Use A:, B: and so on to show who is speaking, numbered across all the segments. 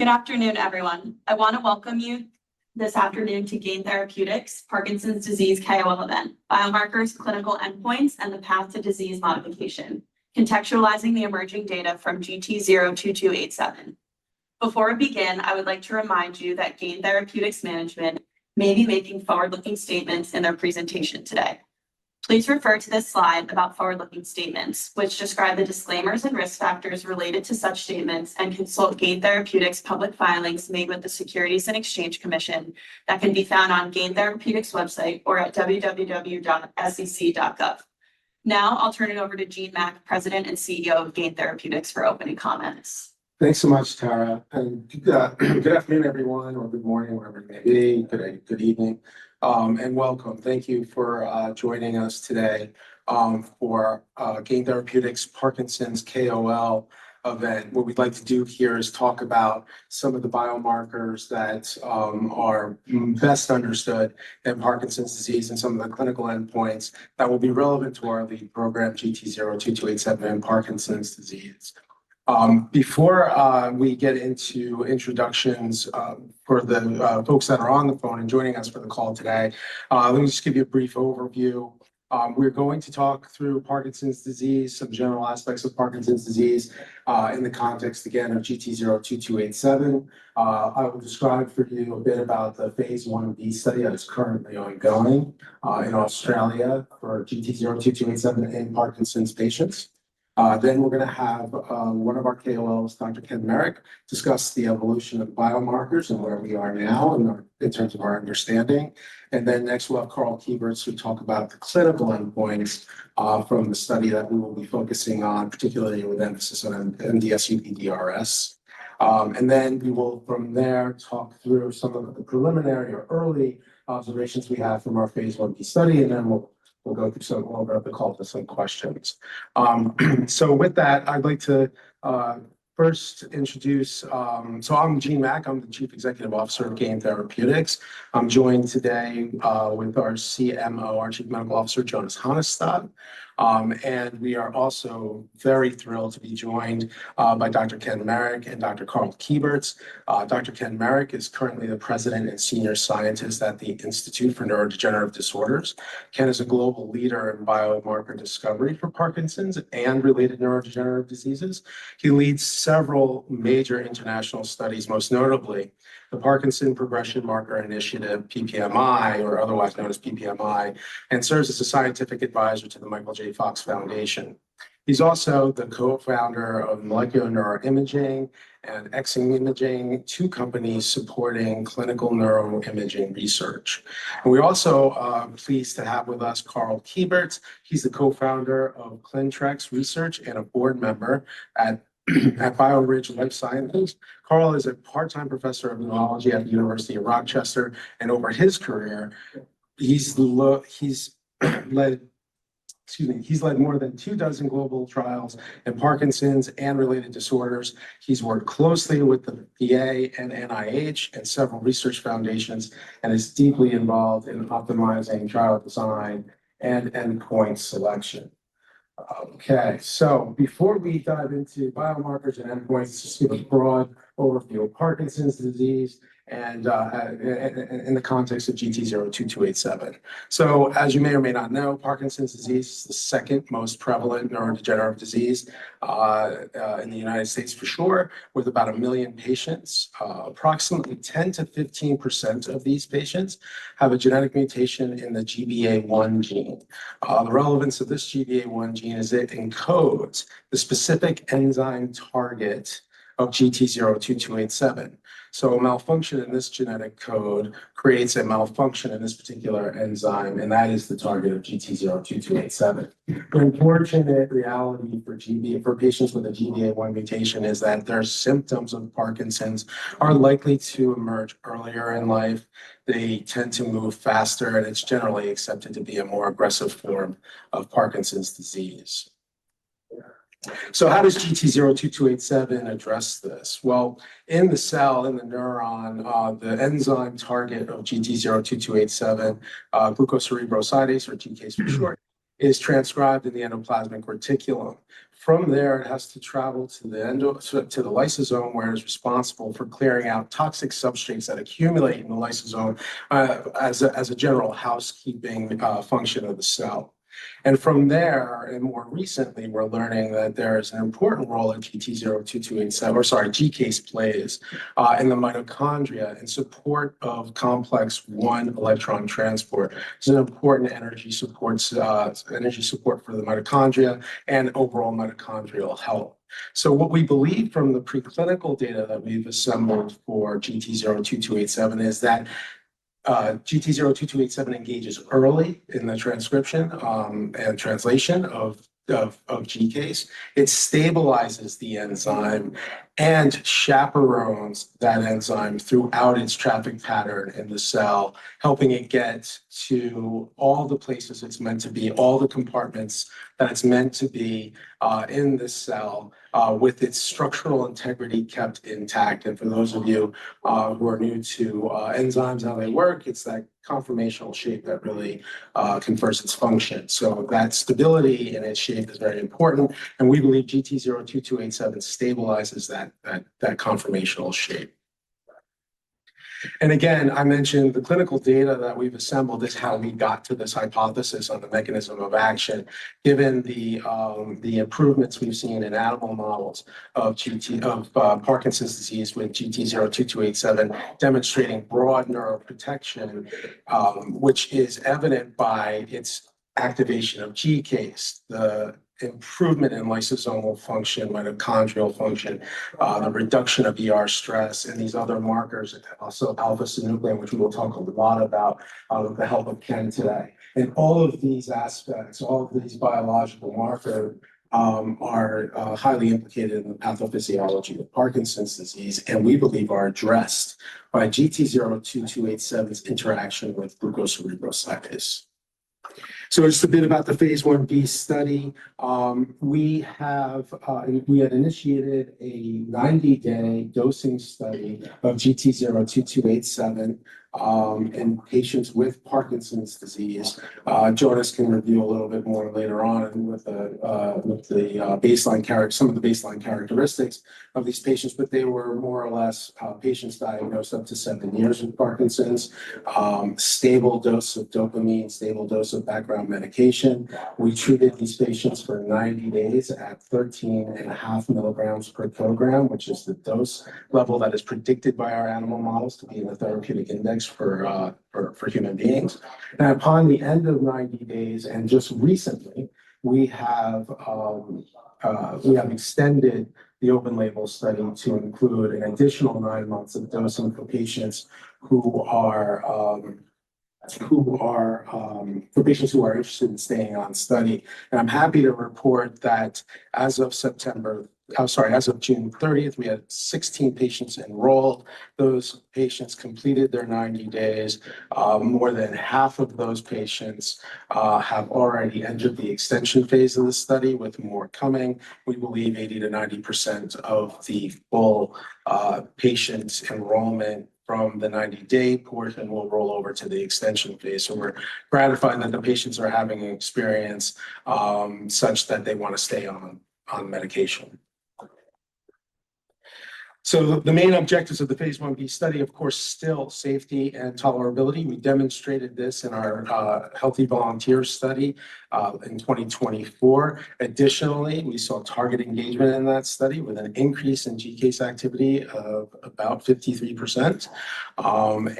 A: Good afternoon, everyone. I want to welcome you this afternoon to Gain Therapeutics' Parkinson's disease KOL event: biomarkers, clinical endpoints, and the path to disease modification, contextualizing the emerging data from GT-02287. Before we begin, I would like to remind you that Gain Therapeutics management may be making forward-looking statements in their presentation today. Please refer to this slide about forward-looking statements, which describe the disclaimers and risk factors related to such statements, and consult Gain Therapeutics' public filings made with the Securities and Exchange Commission that can be found on Gain Therapeutics' website or at www.sec.gov. Now, I'll turn it over to Gene Mack, President and CEO of Gain Therapeutics, for opening comments.
B: Thanks so much, Tara. And good afternoon, everyone, or good morning, wherever it may be. Good evening. And welcome. Thank you for joining us today for Gain Therapeutics' Parkinson's KOL event. What we'd like to do here is talk about some of the biomarkers that are best understood in Parkinson's disease and some of the clinical endpoints that will be relevant to our lead program, GT-02287, in Parkinson's disease. Before we get into introductions for the folks that are on the phone and joining us for the call today, let me just give you a brief overview. We're going to talk through Parkinson's disease, some general aspects of Parkinson's disease in the context, again, of GT-02287. I will describe for you a bit about the phase I-B study that is currently ongoing in Australia for GT-02287 in Parkinson's patients. Then we're going to have one of our KOLs, Dr. Ken Marek, discuss the evolution of biomarkers and where we are now in terms of our understanding. And then next, we'll have Karl Kieburtz who'll talk about the clinical endpoints from the study that we will be focusing on, particularly with emphasis on MDS-UPDRS. And then we will, from there, talk through some of the preliminary or early observations we have from our phase I-B study, and then we'll go through some of the call to some questions. So with that, I'd like to first introduce, so I'm Gene Mack. I'm the Chief Executive Officer of Gain Therapeutics. I'm joined today with our CMO, our Chief Medical Officer, Jonas Hannestad. And we are also very thrilled to be joined by Dr. Ken Marek and Dr. Karl Kieburtz. Dr. Ken Marek is currently the President and Senior Scientist at the Institute for Neurodegenerative Disorders. Ken is a global leader in biomarker discovery for Parkinson's and related neurodegenerative diseases. He leads several major international studies, most notably the Parkinson's Progression Markers Initiative, PPMI, or otherwise known as PPMI, and serves as a Scientific Advisor to the Michael J. Fox Foundation. He's also the Co-founder of Molecular NeuroImaging and XingImaging, two companies supporting clinical neuroimaging research, and we're also pleased to have with us Karl Kieburtz. He's the Co-founder of Clintrex and a board member at BlueRidge Life Sciences. Karl is a part-time professor of neurology at the University of Rochester, and over his career, he's led more than two dozen global trials in Parkinson's and related disorders. He's worked closely with the VA and NIH and several research foundations and is deeply involved in optimizing trial design and endpoint selection. Okay, so before we dive into biomarkers and endpoints, just give a broad overview of Parkinson's disease and in the context of GT-02287. So as you may or may not know, Parkinson's disease is the second most prevalent neurodegenerative disease in the United States, for sure, with about a million patients. Approximately 10%-15% of these patients have a genetic mutation in the GBA1 gene. The relevance of this GBA1 gene is it encodes the specific enzyme target of GT-02287. So a malfunction in this genetic code creates a malfunction in this particular enzyme, and that is the target of GT-02287. The unfortunate reality for patients with a GBA1 mutation is that their symptoms of Parkinson's are likely to emerge earlier in life. They tend to move faster, and it's generally accepted to be a more aggressive form of Parkinson's disease. So how does GT-02287 address this? In the cell, in the neuron, the enzyme target of GT-02287, glucocerebrosidase, or GCase for short, is transcribed in the endoplasmic reticulum. From there, it has to travel to the lysosome, where it's responsible for clearing out toxic substrates that accumulate in the lysosome as a general housekeeping function of the cell. From there, more recently, we're learning that there is an important role in GT-02287, or sorry, GCase plays in the mitochondria in support of complex I electron transport. It's an important energy support for the mitochondria and overall mitochondrial health. What we believe from the preclinical data that we've assembled for GT-02287 is that GT-02287 engages early in the transcription and translation of GCase. It stabilizes the enzyme and chaperones that enzyme throughout its traffic pattern in the cell, helping it get to all the places it's meant to be, all the compartments that it's meant to be in the cell with its structural integrity kept intact. And for those of you who are new to enzymes, how they work, it's that conformational shape that really confers its function. So that stability in its shape is very important. And we believe GT-02287 stabilizes that conformational shape. And again, I mentioned the clinical data that we've assembled is how we got to this hypothesis on the mechanism of action, given the improvements we've seen in animal models of Parkinson's disease with GT-02287 demonstrating broad neural protection, which is evident by its activation of GCase. The improvement in lysosomal function, mitochondrial function, the reduction of stress, and these other markers, also alpha-synuclein, which we will talk a lot about with the help of Ken today. And all of these aspects, all of these biological markers are highly implicated in the pathophysiology of Parkinson's disease, and we believe are addressed by GT-02287's interaction with glucocerebrosidase. So just a bit about the phase I-B study. We had initiated a 90-day dosing study of GT-02287 in patients with Parkinson's disease. Jonas can reveal a little bit more later on with some of the baseline characteristics of these patients, but they were more or less patients diagnosed up to seven years with Parkinson's, stable dose of dopamine, stable dose of background medication. We treated these patients for 90 days at 13.5 mg/kg, which is the dose level that is predicted by our animal models to be in the therapeutic index for human beings. And upon the end of 90 days, and just recently, we have extended the open-label study to include an additional nine months of dosing for patients who are interested in staying on study, and I'm happy to report that as of September, oh, sorry, as of June 30th, we had 16 patients enrolled. Those patients completed their 90 days. More than half of those patients have already entered the extension phase of the study with more coming. We believe 80%-90% of the full patient enrollment from the 90-day portion will roll over to the extension phase. So we're gratified that the patients are having an experience such that they want to stay on medication. So the main objectives of the phase I-B study, of course, still safety and tolerability. We demonstrated this in our healthy volunteers study in 2024. Additionally, we saw target engagement in that study with an increase in GCase activity of about 53%.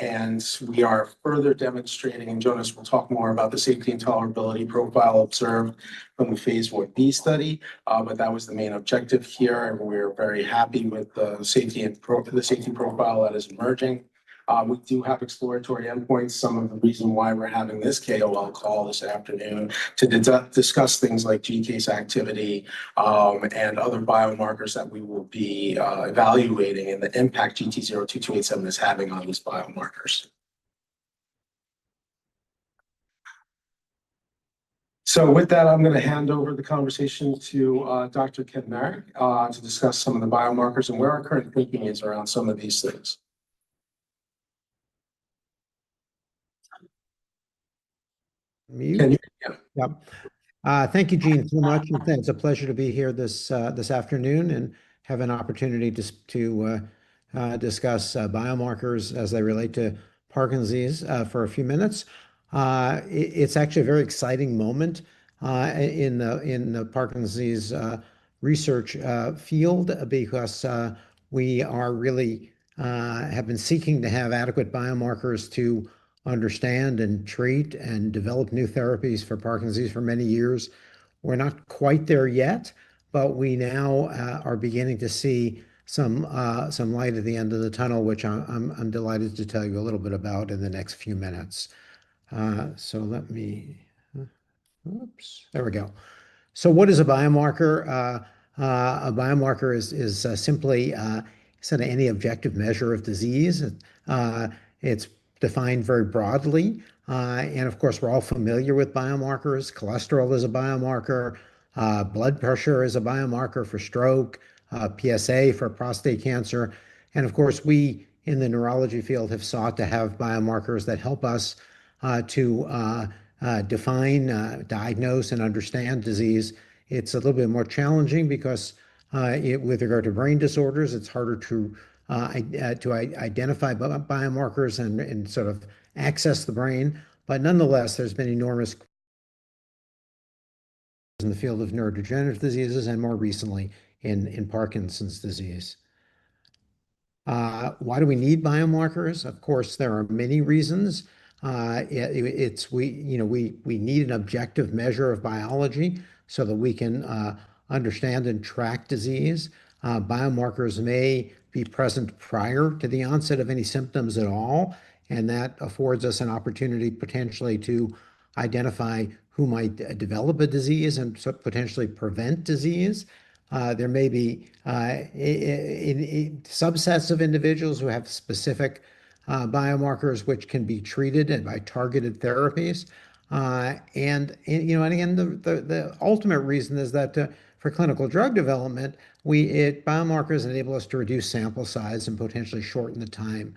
B: And we are further demonstrating, and Jonas will talk more about the safety and tolerability profile observed from the phase I-B study, but that was the main objective here. And we're very happy with the safety profile that is emerging. We do have exploratory end points. Some of the reason why we're having this KOL call this afternoon is to discuss things like GCase activity and other biomarkers that we will be evaluating and the impact GT-02287 is having on these biomarkers. So with that, I'm going to hand over the conversation to Dr. Ken Marek to discuss some of the biomarkers and where our current thinking is around some of these things.
C: Can you hear me?
B: Yeah.
C: Thank you, Gene, so much. And thanks. It's a pleasure to be here this afternoon and have an opportunity to discuss biomarkers as they relate to Parkinson's disease for a few minutes. It's actually a very exciting moment in the Parkinson's disease research field because we have been seeking to have adequate biomarkers to understand and treat and develop new therapies for Parkinson's disease for many years. We're not quite there yet, but we now are beginning to see some light at the end of the tunnel, which I'm delighted to tell you a little bit about in the next few minutes. So let me. Oops. There we go. So what is a biomarker? A biomarker is simply any objective measure of disease. It's defined very broadly. And of course, we're all familiar with biomarkers. Cholesterol is a biomarker. Blood pressure is a biomarker for stroke. PSA for prostate cancer. And of course, we in the neurology field have sought to have biomarkers that help us to define, diagnose, and understand disease. It's a little bit more challenging because with regard to brain disorders, it's harder to identify biomarkers and sort of access the brain. But nonetheless, there's been enormous progress in the field of neurodegenerative diseases and more recently in Parkinson's disease. Why do we need biomarkers? Of course, there are many reasons. We need an objective measure of biology so that we can understand and track disease. Biomarkers may be present prior to the onset of any symptoms at all, and that affords us an opportunity potentially to identify who might develop a disease and potentially prevent disease. There may be subsets of individuals who have specific biomarkers which can be treated by targeted therapies. And again, the ultimate reason is that for clinical drug development, biomarkers enable us to reduce sample size and potentially shorten the time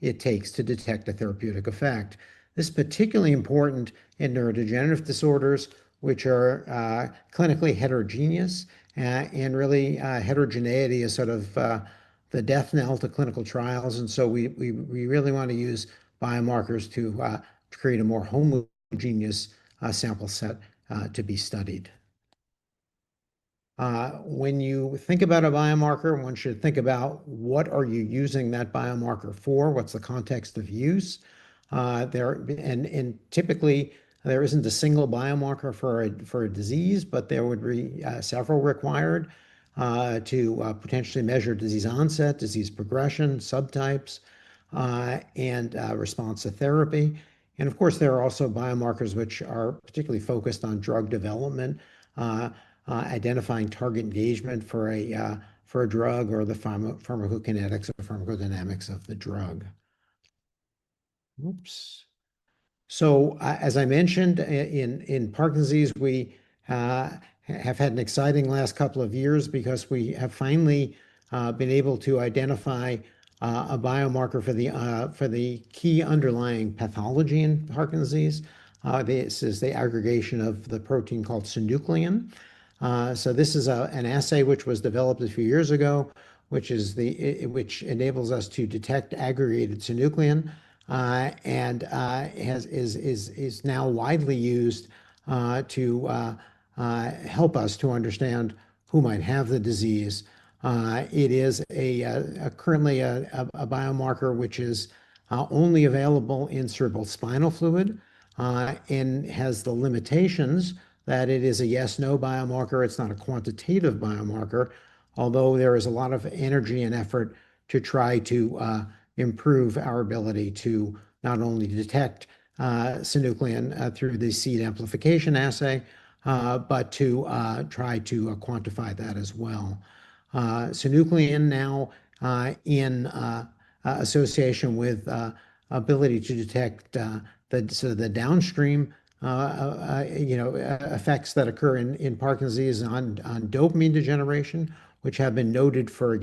C: it takes to detect a therapeutic effect. This is particularly important in neurodegenerative disorders, which are clinically heterogeneous. And really, heterogeneity is sort of the death knell to clinical trials. And so we really want to use biomarkers to create a more homogeneous sample set to be studied. When you think about a biomarker, one should think about what are you using that biomarker for? What's the context of use? And typically, there isn't a single biomarker for a disease, but there would be several required to potentially measure disease onset, disease progression, subtypes, and response to therapy. And of course, there are also biomarkers which are particularly focused on drug development, identifying target engagement for a drug or the pharmacokinetics or pharmacodynamics of the drug. Oops. So as I mentioned, in Parkinson's disease, we have had an exciting last couple of years because we have finally been able to identify a biomarker for the key underlying pathology in Parkinson's disease. This is the aggregation of the protein called synuclein. So this is an assay which was developed a few years ago, which enables us to detect aggregated synuclein and is now widely used to help us to understand who might have the disease. It is currently a biomarker which is only available in cerebrospinal fluid and has the limitations that it is a yes/no biomarker. It's not a quantitative biomarker, although there is a lot of energy and effort to try to improve our ability to not only detect synuclein through the seed amplification assay, but to try to quantify that as well. Synuclein now, in association with the ability to detect the downstream effects that occur in Parkinson's disease on dopamine degeneration, which have been noted for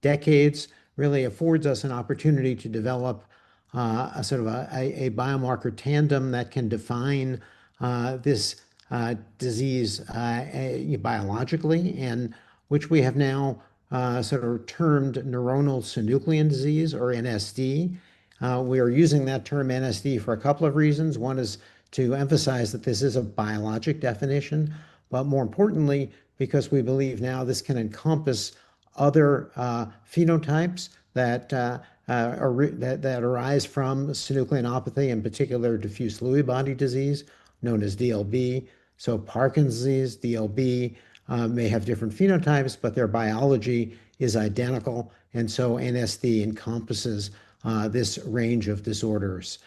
C: decades, again, really affords us an opportunity to develop a sort of a biomarker tandem that can define this disease biologically, and which we have now sort of termed neuronal synuclein disease or NSD. We are using that term NSD for a couple of reasons. One is to emphasize that this is a biologic definition, but more importantly, because we believe now this can encompass other phenotypes that arise from synucleinopathy, in particular, diffuse Lewy body disease known as DLB, so Parkinson's disease, DLB may have different phenotypes, but their biology is identical, and so NSD encompasses this range of disorders.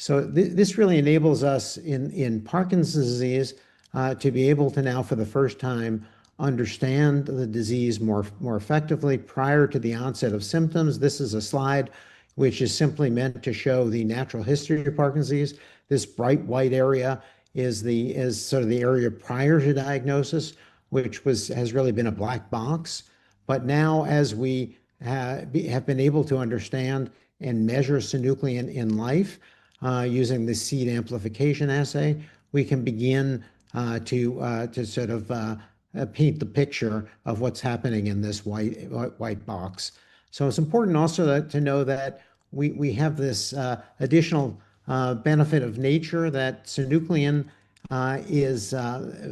C: So this really enables us in Parkinson's disease to be able to now, for the first time, understand the disease more effectively prior to the onset of symptoms. This is a slide which is simply meant to show the natural history of Parkinson's disease. This bright white area is sort of the area prior to diagnosis, which has really been a black box. But now, as we have been able to understand and measure synuclein in life using the Seed Amplification Assay, we can begin to sort of paint the picture of what's happening in this white box. So it's important also to know that we have this additional benefit of nature that synuclein is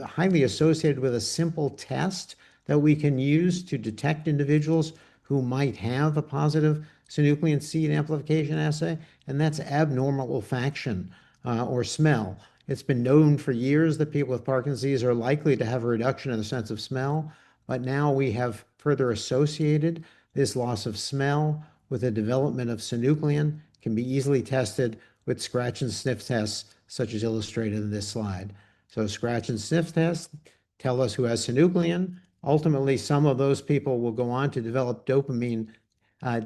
C: highly associated with a simple test that we can use to detect individuals who might have a positive synuclein Seed Amplification Assay, and that's abnormal olfaction or smell. It's been known for years that people with Parkinson's disease are likely to have a reduction in the sense of smell, but now we have further associated this loss of smell with the development of alpha-synuclein can be easily tested with scratch and sniff tests such as illustrated in this slide, so scratch and sniff tests tell us who has alpha-synuclein. Ultimately, some of those people will go on to develop dopamine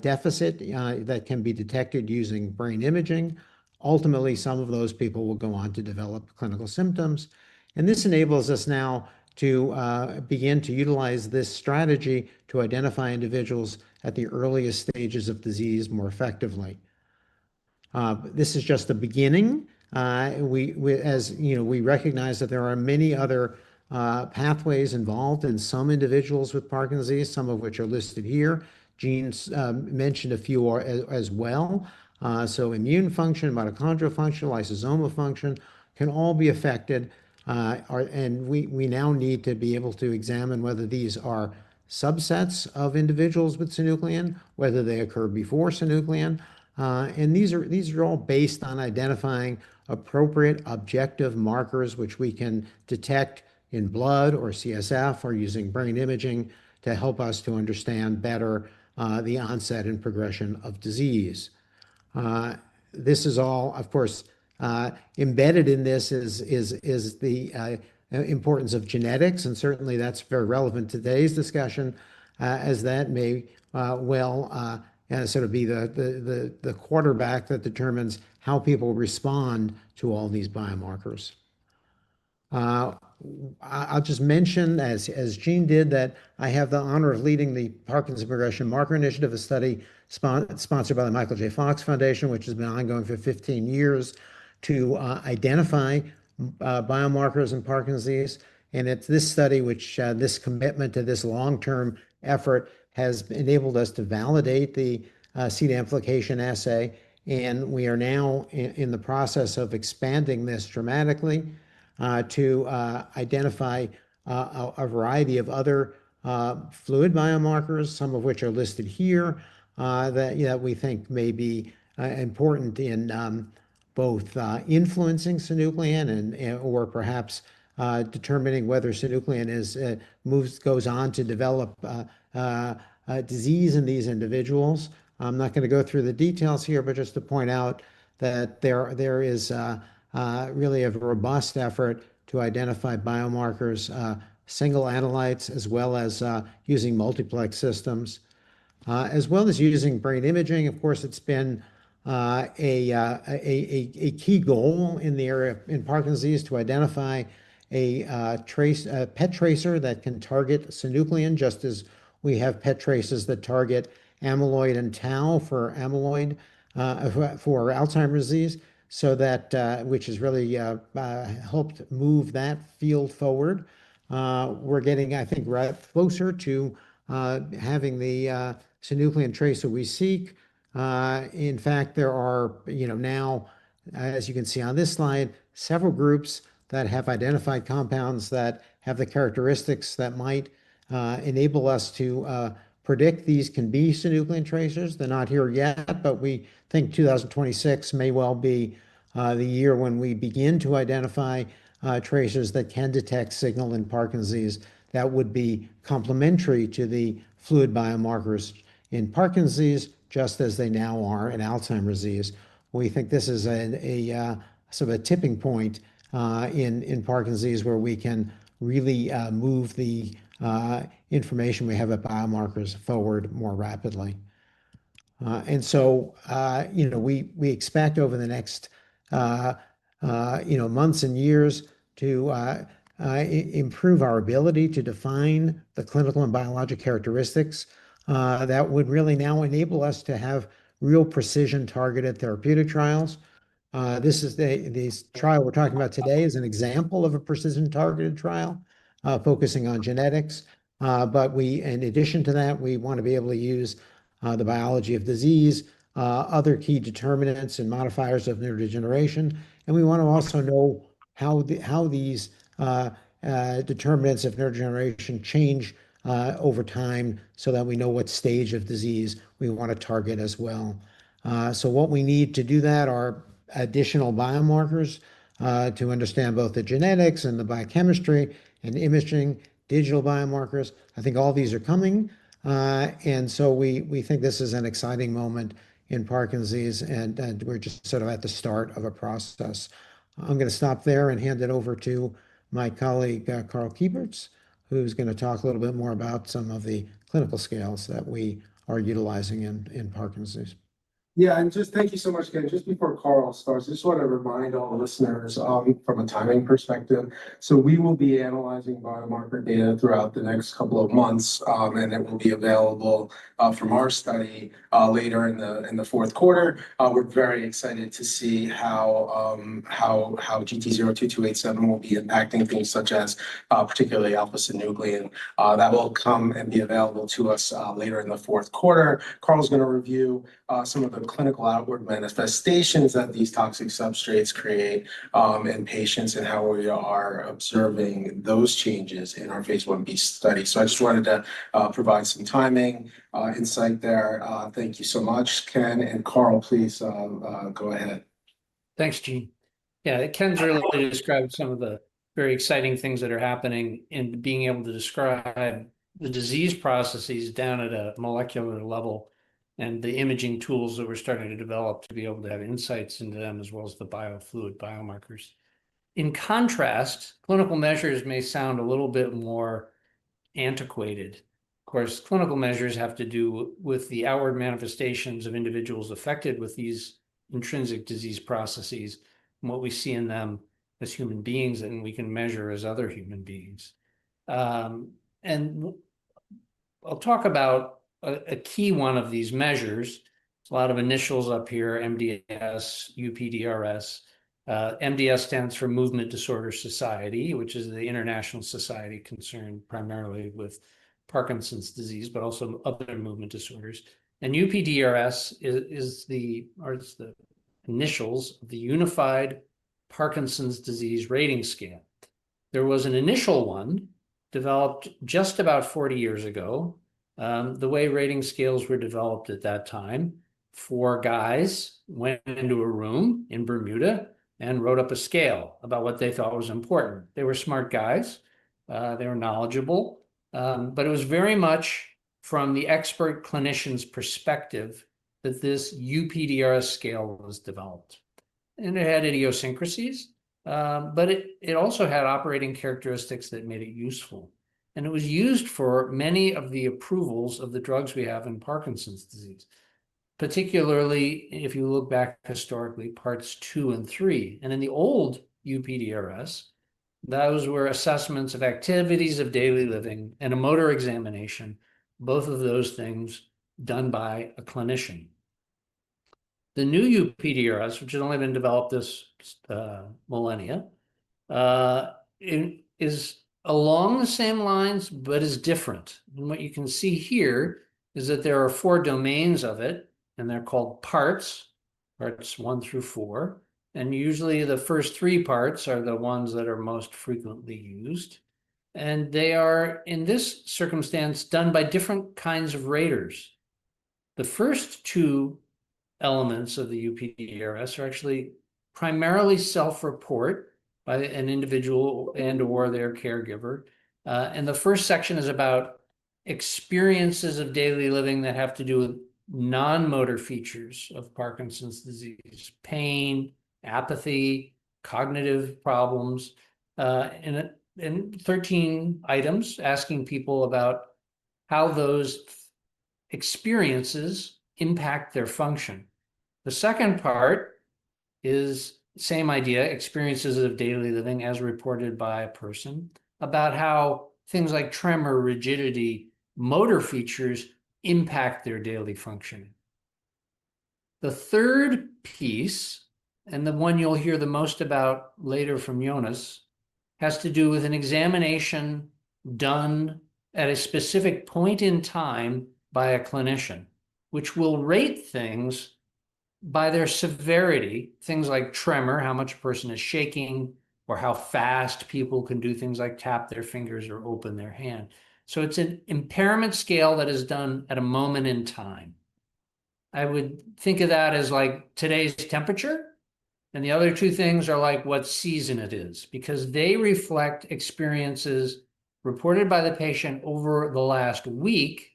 C: deficit that can be detected using brain imaging. Ultimately, some of those people will go on to develop clinical symptoms, and this enables us now to begin to utilize this strategy to identify individuals at the earliest stages of disease more effectively. This is just the beginning. As we recognize that there are many other pathways involved in some individuals with Parkinson's disease, some of which are listed here. Gene mentioned a few as well. So immune function, mitochondrial function, lysosomal function can all be affected. And we now need to be able to examine whether these are subsets of individuals with synuclein, whether they occur before synuclein. And these are all based on identifying appropriate objective markers which we can detect in blood or CSF or using brain imaging to help us to understand better the onset and progression of disease. This is all, of course, embedded in this is the importance of genetics. And certainly, that's very relevant to today's discussion as that may well sort of be the quarterback that determines how people respond to all these biomarkers. I'll just mention, as Gene did, that I have the honor of leading the Parkinson's Progression Markers Initiative, a study sponsored by the Michael J. Fox Foundation, which has been ongoing for 15 years to identify biomarkers in Parkinson's disease. It's this study which this commitment to this long-term effort has enabled us to validate the Seed Amplification Assay. We are now in the process of expanding this dramatically to identify a variety of other fluid biomarkers, some of which are listed here that we think may be important in both influencing synuclein or perhaps determining whether synuclein goes on to develop disease in these individuals. I'm not going to go through the details here, but just to point out that there is really a robust effort to identify biomarkers, single analytes, as well as using multiplex systems. As well as using brain imaging, of course, it's been a key goal in the area in Parkinson's disease to identify a PET tracer that can target synuclein, just as we have PET tracers that target amyloid and tau for amyloid for Alzheimer's disease, which has really helped move that field forward. We're getting, I think, closer to having the synuclein tracer that we seek. In fact, there are now, as you can see on this slide, several groups that have identified compounds that have the characteristics that might enable us to predict these can be synuclein tracers. They're not here yet, but we think 2026 may well be the year when we begin to identify tracers that can detect signal in Parkinson's disease that would be complementary to the fluid biomarkers in Parkinson's disease, just as they now are in Alzheimer's disease. We think this is sort of a tipping point in Parkinson's disease where we can really move the information we have about biomarkers forward more rapidly. And so we expect over the next months and years to improve our ability to define the clinical and biologic characteristics that would really now enable us to have real precision targeted therapeutic trials. This is the trial we're talking about today is an example of a precision targeted trial focusing on genetics. But in addition to that, we want to be able to use the biology of disease, other key determinants and modifiers of neurodegeneration. And we want to also know how these determinants of neurodegeneration change over time so that we know what stage of disease we want to target as well. So what we need to do. That are additional biomarkers to understand both the genetics and the biochemistry and imaging, digital biomarkers. I think all these are coming, and so we think this is an exciting moment in Parkinson's disease, and we're just sort of at the start of a process. I'm going to stop there and hand it over to my colleague, Karl Kieburtz, who's going to talk a little bit more about some of the clinical scales that we are utilizing in Parkinson's disease.
B: Yeah, and just thank you so much, Gene. Just before Karl starts, I just want to remind all the listeners from a timing perspective, so we will be analyzing biomarker data throughout the next couple of months, and it will be available from our study later in the Q4. We're very excited to see how GT-02287 will be impacting things such as particularly alpha-synuclein. That will come and be available to us later in the Q4. Karl's going to review some of the clinical outward manifestations that these toxic substrates create in patients and how we are observing those changes in our phase I-B study. So I just wanted to provide some timing insight there. Thank you so much, Ken. And Karl, please go ahead.
D: Thanks, Gene. Yeah, Ken's really described some of the very exciting things that are happening in being able to describe the disease processes down at a molecular level and the imaging tools that we're starting to develop to be able to have insights into them as well as the biofluid biomarkers. In contrast, clinical measures may sound a little bit more antiquated. Of course, clinical measures have to do with the outward manifestations of individuals affected with these intrinsic disease processes and what we see in them as human beings and we can measure as other human beings. And I'll talk about a key one of these measures. There's a lot of initials up here, MDS, UPDRS. MDS stands for Movement Disorder Society, which is the International Society concerned primarily with Parkinson's disease, but also other movement disorders. And UPDRS is the initials of the Unified Parkinson's Disease Rating Scale. There was an initial one developed just about 40 years ago. The way rating scales were developed at that time, four guys went into a room in Bermuda and wrote up a scale about what they thought was important. They were smart guys. They were knowledgeable. But it was very much from the expert clinician's perspective that this UPDRS scale was developed. And it had idiosyncrasies, but it also had operating characteristics that made it useful. And it was used for many of the approvals of the drugs we have in Parkinson's disease, particularly if you look back historically, parts two and three. And in the old UPDRS, those were assessments of activities of daily living and a motor examination, both of those things done by a clinician. The new UPDRS, which has only been developed this millennia, is along the same lines, but is different. And what you can see here is that there are four domains of it, and they're called parts, parts one through four. And usually, the first three parts are the ones that are most frequently used. And they are, in this circumstance, done by different kinds of raters. The first two elements of the UPDRS are actually primarily self-report by an individual and/or their caregiver. And the first section is about experiences of daily living that have to do with non-motor features of Parkinson's disease: pain, apathy, cognitive problems. And 13 items asking people about how those experiences impact their function. The second part is the same idea: experiences of daily living as reported by a person about how things like tremor, rigidity, and motor features impact their daily function. The third piece, and the one you'll hear the most about later from Jonas, has to do with an examination done at a specific point in time by a clinician, which will rate things by their severity, things like tremor, how much a person is shaking, or how fast people can do things like tap their fingers or open their hand. So it's an impairment scale that is done at a moment in time. I would think of that as like today's temperature. And the other two things are like what season it is because they reflect experiences reported by the patient over the last week,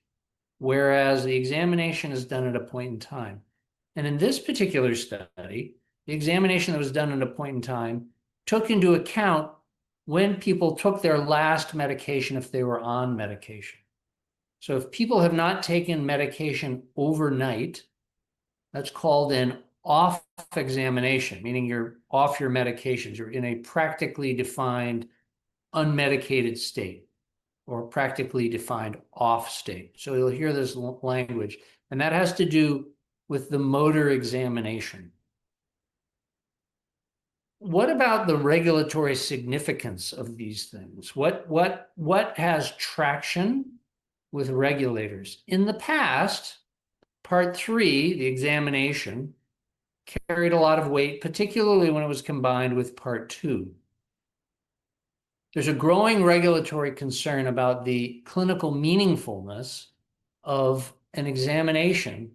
D: whereas the examination is done at a point in time. And in this particular study, the examination that was done at a point in time took into account when people took their last medication if they were on medication. So if people have not taken medication overnight, that's called an off examination, meaning you're off your medications. You're in a practically defined unmedicated state or practically defined off state. So you'll hear this language. And that has to do with the motor examination. What about the regulatory significance of these things? What has traction with regulators? In the past, Part 3, the examination, carried a lot of weight, particularly when it was combined with Part 2. There's a growing regulatory concern about the clinical meaningfulness of an examination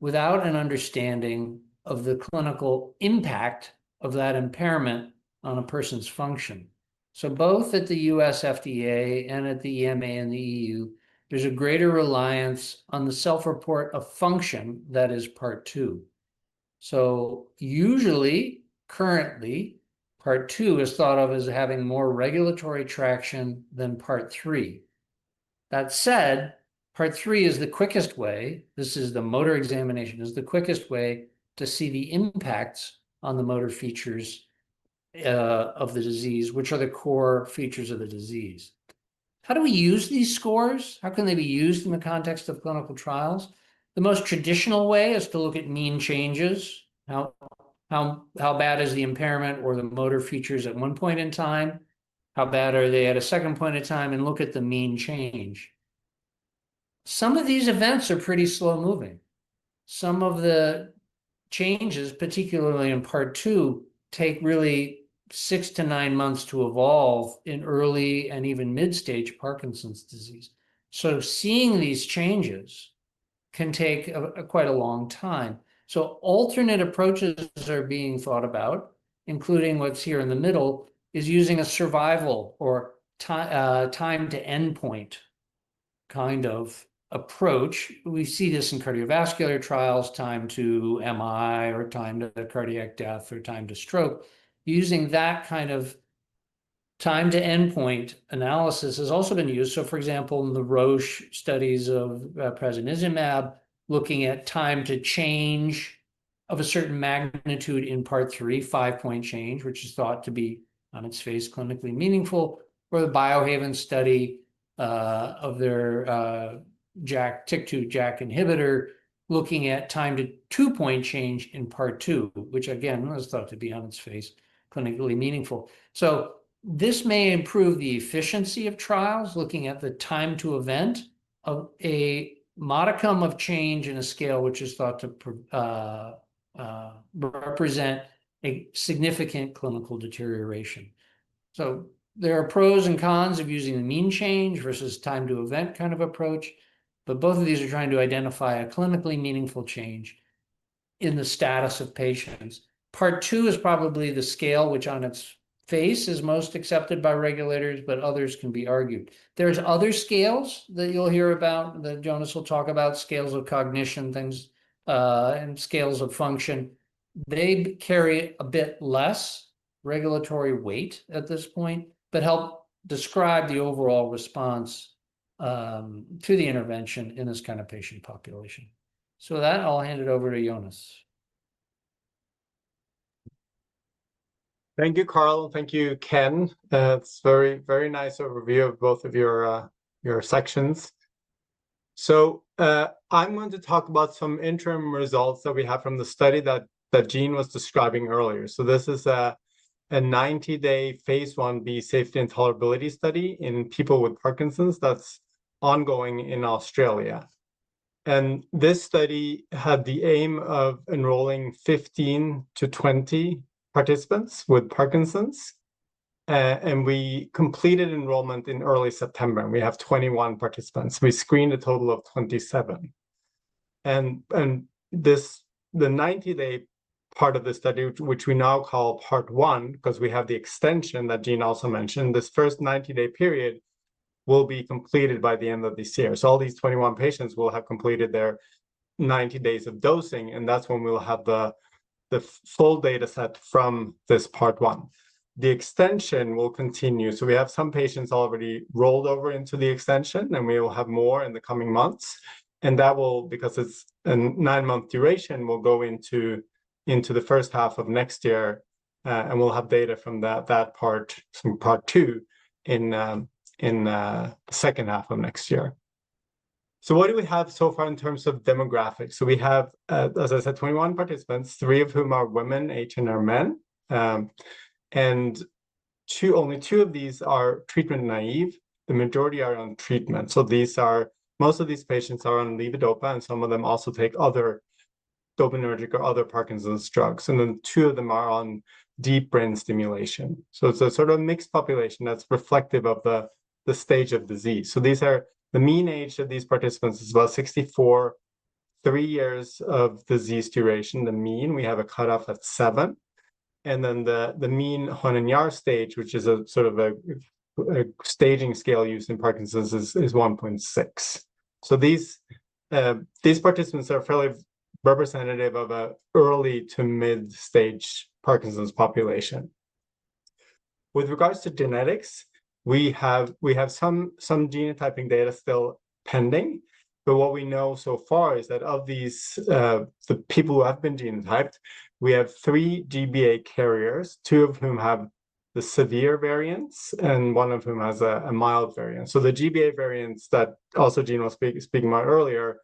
D: without an understanding of the clinical impact of that impairment on a person's function. So both at the U.S. FDA and at the EMA and the E.U., there's a greater reliance on the self-report of function that is Part 2. So usually, currently, Part 2 is thought of as having more regulatory traction than Part 3. That said, Part 3 is the quickest way. This is the motor examination is the quickest way to see the impacts on the motor features of the disease, which are the core features of the disease. How do we use these scores? How can they be used in the context of clinical trials? The most traditional way is to look at mean changes. How bad is the impairment or the motor features at one point in time? How bad are they at a second point in time? And look at the mean change. Some of these events are pretty slow-moving. Some of the changes, particularly in Part 2, take really six to nine months to evolve in early and even mid-stage Parkinson's disease. So seeing these changes can take quite a long time. So alternate approaches are being thought about, including what's here in the middle, is using a survival or time-to-end point kind of approach. We see this in cardiovascular trials, time-to-MI or time-to-cardiac death or time-to-stroke. Using that kind of time-to-end point analysis has also been used. So for example, in the Roche studies of prasinezumab, looking at time-to-change of a certain magnitude in Part 3, five-point change, which is thought to be, on its face, clinically meaningful, or the Biohaven study of their TYK2/JAK inhibitor, looking at time-to-two-point change in Part 2, which again is thought to be, on its face, clinically meaningful. So this may improve the efficiency of trials, looking at the time-to-event of a modicum of change in a scale which is thought to represent a significant clinical deterioration. So there are pros and cons of using the mean change versus time-to-event kind of approach. But both of these are trying to identify a clinically meaningful change in the status of patients. Part 2 is probably the scale which, on its face, is most accepted by regulators, but others can be argued. There's other scales that you'll hear about that Jonas will talk about, scales of cognition, things, and scales of function. They carry a bit less regulatory weight at this point, but help describe the overall response to the intervention in this kind of patient population. So with that, I'll hand it over to Jonas.
E: Thank you, Karl. Thank you, Ken. It's a very, very nice overview of both of your sections. So I'm going to talk about some interim results that we have from the study that Gene was describing earlier. So this is a 90-day phase I-B safety and tolerability study in people with Parkinson's that's ongoing in Australia. And this study had the aim of enrolling 15-20 participants with Parkinson's. And we completed enrollment in early September. And we have 21 participants. We screened a total of 27. The 90-day part of the study, which we now call Part 1, because we have the extension that Gene also mentioned. This first 90-day period will be completed by the end of this year. All these 21 patients will have completed their 90 days of dosing. That's when we'll have the full data set from this Part 1. The extension will continue. Some patients already rolled over into the extension, and we will have more in the coming months. That will, because it's a nine-month duration, go into the first half of next year. We'll have data from that part to Part 2 in the second half of next year. What do we have so far in terms of demographics? We have, as I said, 21 participants, three of whom are women, eight are men. And only two of these are treatment naive. The majority are on treatment. So most of these patients are on levodopa, and some of them also take other dopaminergic or other Parkinson's drugs. And then two of them are on deep brain stimulation. So it's a sort of mixed population that's reflective of the stage of disease. So the mean age of these participants is about 64, three years of disease duration, the mean. We have a cutoff at seven. And then the mean Hoehn and Yahr stage, which is a sort of a staging scale used in Parkinson's, is 1.6. So these participants are fairly representative of an early to mid-stage Parkinson's population. With regards to genetics, we have some genotyping data still pending. But what we know so far is that of the people who have been genotyped, we have three GBA carriers, two of whom have the severe variants and one of whom has a mild variant. So the GBA variants that also Gene was speaking about earlier,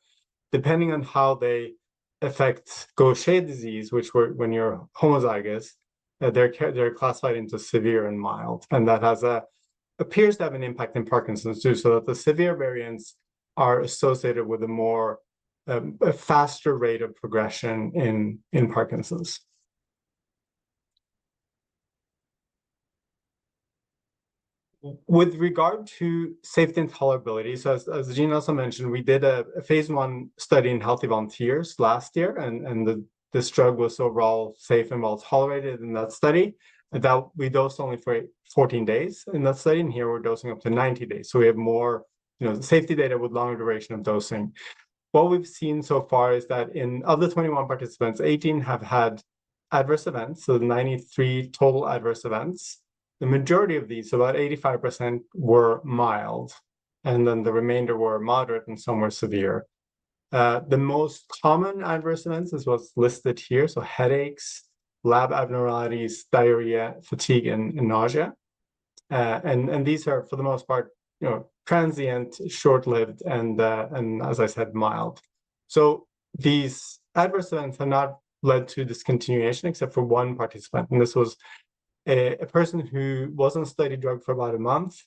E: depending on how they affect Gaucher disease, which when you're homozygous, they're classified into severe and mild. And that appears to have an impact in Parkinson's too, so that the severe variants are associated with a faster rate of progression in Parkinson's. With regard to safety and tolerability, so as Gene also mentioned, we did a phase I study in healthy volunteers last year. And this drug was overall safe and well tolerated in that study. We dosed only for 14 days in that study. And here we're dosing up to 90 days. So we have more safety data with longer duration of dosing. What we've seen so far is that out of the 21 participants, 18 have had adverse events, so 93 total adverse events. The majority of these, about 85%, were mild. And then the remainder were moderate and some were severe. The most common adverse events is what's listed here, so headaches, lab abnormalities, diarrhea, fatigue, and nausea. And these are, for the most part, transient, short-lived, and, as I said, mild. So these adverse events have not led to discontinuation except for one participant. And this was a person who was on a study drug for about a month,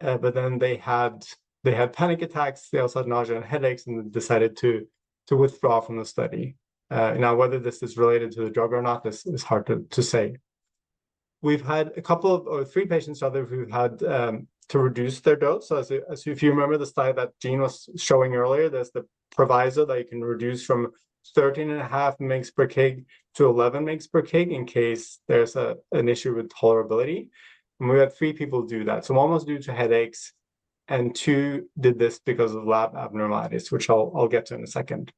E: but then they had panic attacks. They also had nausea and headaches and decided to withdraw from the study. Now, whether this is related to the drug or not, this is hard to say. We've had a couple of or three patients who have had to reduce their dose. So if you remember the slide that Gene was showing earlier, there's the proviso that you can reduce from 13.5 mg/kg to 11 mg/kg in case there's an issue with tolerability. And we had three people do that. So one was due to headaches, and two did this because of lab abnormalities, which I'll get to in a second.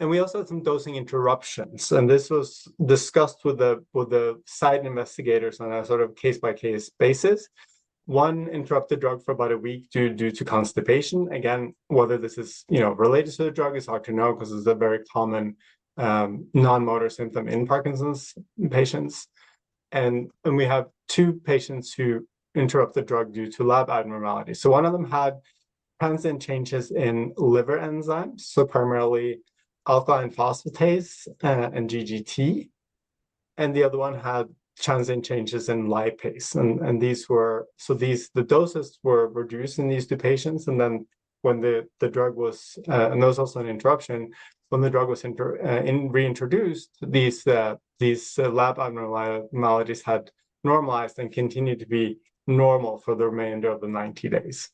E: And we also had some dosing interruptions. And this was discussed with the site investigators on a sort of case-by-case basis. One interrupted drug for about a week due to constipation. Again, whether this is related to the drug is hard to know because it's a very common non-motor symptom in Parkinson's patients. And we have two patients who interrupt the drug due to lab abnormalities. So one of them had transient changes in liver enzymes, so primarily alkaline phosphatase and GGT. And the other one had transient changes in lipase. And these were so the doses were reduced in these two patients. And then when the drug was, and there was also an interruption. When the drug was reintroduced, these lab abnormalities had normalized and continued to be normal for the remainder of the 90 days.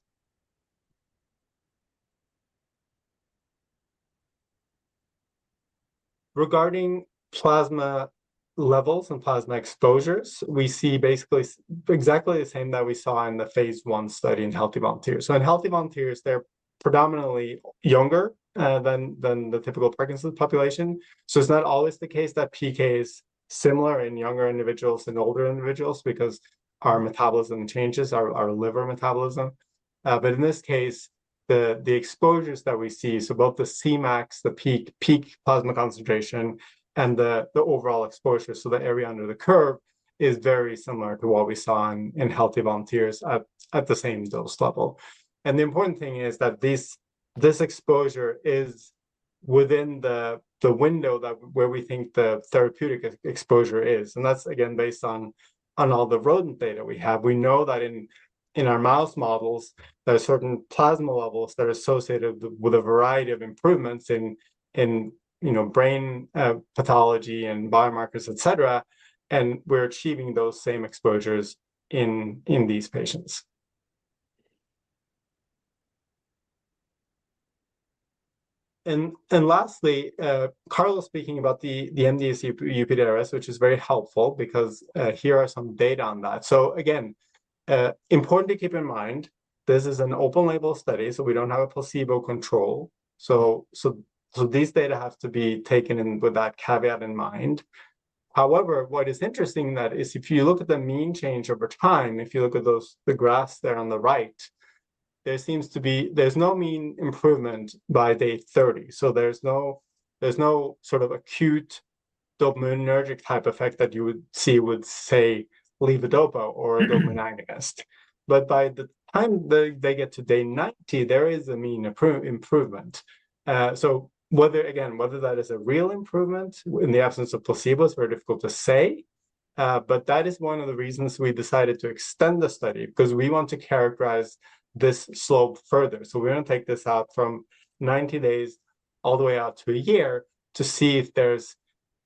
E: Regarding plasma levels and plasma exposures, we see basically exactly the same that we saw in the phase I study in healthy volunteers. So in healthy volunteers, they're predominantly younger than the typical Parkinson's population. So it's not always the case that PK is similar in younger individuals and older individuals because our metabolism changes, our liver metabolism. But in this case, the exposures that we see, so both the Cmax, the peak plasma concentration, and the overall exposure, so the area under the curve, is very similar to what we saw in healthy volunteers at the same dose level. And the important thing is that this exposure is within the window where we think the therapeutic exposure is. And that's, again, based on all the rodent data we have. We know that in our mouse models, there are certain plasma levels that are associated with a variety of improvements in brain pathology and biomarkers, etc. And we're achieving those same exposures in these patients. And lastly, Karl was speaking about the MDS-UPDRS, which is very helpful because here are some data on that. So again, important to keep in mind, this is an open-label study, so we don't have a placebo control. So these data have to be taken in with that caveat in mind. However, what is interesting is if you look at the mean change over time, if you look at the graphs there on the right, there seems to be no mean improvement by day 30. So there's no sort of acute dopaminergic type effect that you would see with, say, levodopa or dopaminergic. But by the time they get to day 90, there is a mean improvement. So again, whether that is a real improvement in the absence of placebo is very difficult to say. But that is one of the reasons we decided to extend the study because we want to characterize this slope further. So we're going to take this out from 90 days all the way out to a year to see if there's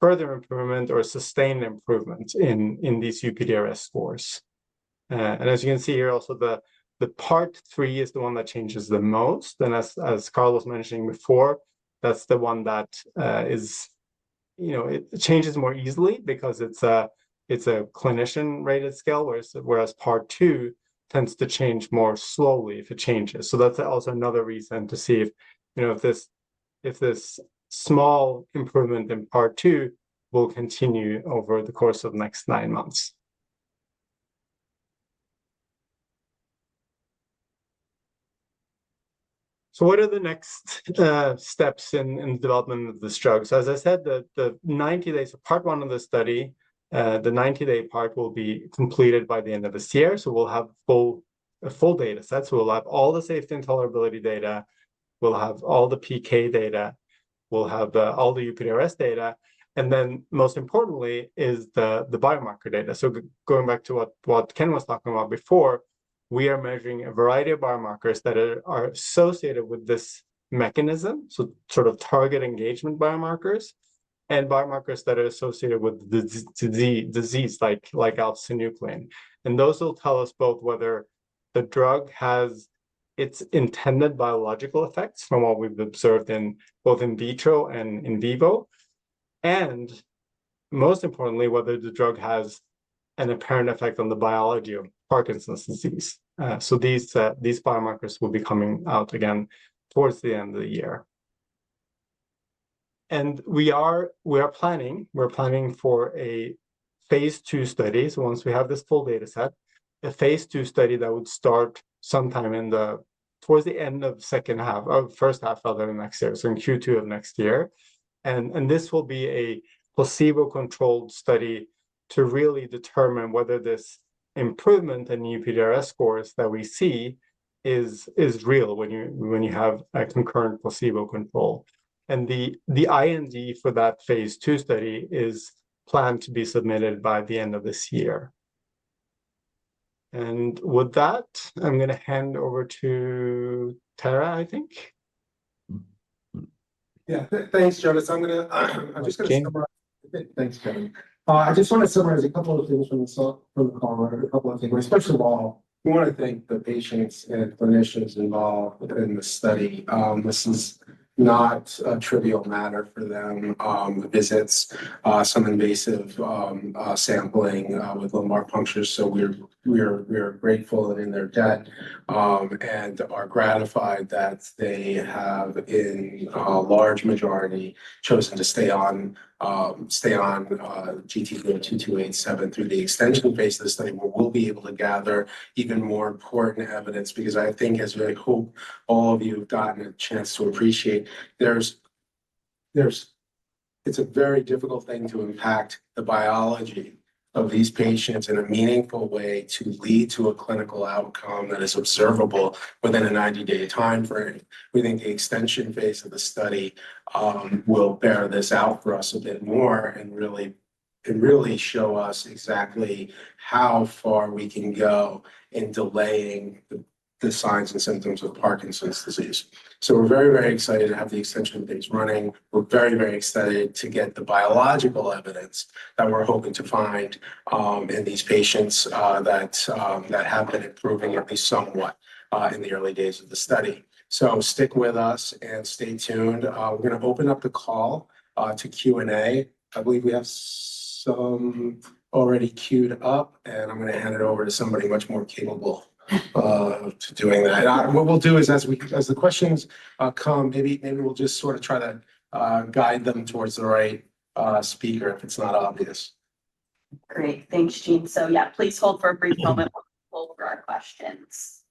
E: further improvement or sustained improvement in these UPDRS scores. And as you can see here, also the Part 3 is the one that changes the most. And as Karl was mentioning before, that's the one that changes more easily because it's a clinician-rated scale, whereas Part 2 tends to change more slowly if it changes. So that's also another reason to see if this small improvement in Part 2 will continue over the course of the next nine months. So what are the next steps in the development of this drug? So as I said, the 90 days of Part 1 of the study, the 90-day part will be completed by the end of this year. So we'll have a full data set. So we'll have all the safety and tolerability data. We'll have all the PK data. We'll have all the UPDRS data. And then most importantly is the biomarker data. So going back to what Ken was talking about before, we are measuring a variety of biomarkers that are associated with this mechanism, so sort of target engagement biomarkers, and biomarkers that are associated with the disease like alpha-synuclein. And those will tell us both whether the drug has its intended biological effects from what we've observed in both in vitro and in vivo. And most importantly, whether the drug has an apparent effect on the biology of Parkinson's disease. So these biomarkers will be coming out again towards the end of the year. And we are planning for a phase II study. So once we have this full data set, a phase II study that would start sometime towards the end of the second half of first half of the next year, so in Q2 of next year. This will be a placebo-controlled study to really determine whether this improvement in UPDRS scores that we see is real when you have a concurrent placebo control. The IND for that phase II study is planned to be submitted by the end of this year. With that, I'm going to hand over to Tara, I think.
B: Yeah. Thanks, Jonas. I'm just going to summarize. Thanks, Ken. I just want to summarize a couple of things from the call, a couple of things. First of all, we want to thank the patients and clinicians involved in the study. This is not a trivial matter for them. It's some invasive sampling with lumbar punctures. So we're grateful and in their debt and are gratified that they have, in a large majority, chosen to stay on GT-02287 through the extension phase of the study, where we'll be able to gather even more important evidence because I think, as I hope all of you have gotten a chance to appreciate, it's a very difficult thing to impact the biology of these patients in a meaningful way to lead to a clinical outcome that is observable within a 90-day time frame. We think the extension phase of the study will bear this out for us a bit more and really show us exactly how far we can go in delaying the signs and symptoms of Parkinson's disease. So, we're very, very excited to have the extension phase running. We're very, very excited to get the biological evidence that we're hoping to find in these patients that have been improving at least somewhat in the early days of the study. So stick with us and stay tuned. We're going to open up the call to Q&A. I believe we have some already queued up, and I'm going to hand it over to somebody much more capable of doing that. And what we'll do is, as the questions come, maybe we'll just sort of try to guide them towards the right speaker if it's not obvious.
A: Great. Thanks, Gene. So yeah, please hold for a brief moment while we poll for our questions.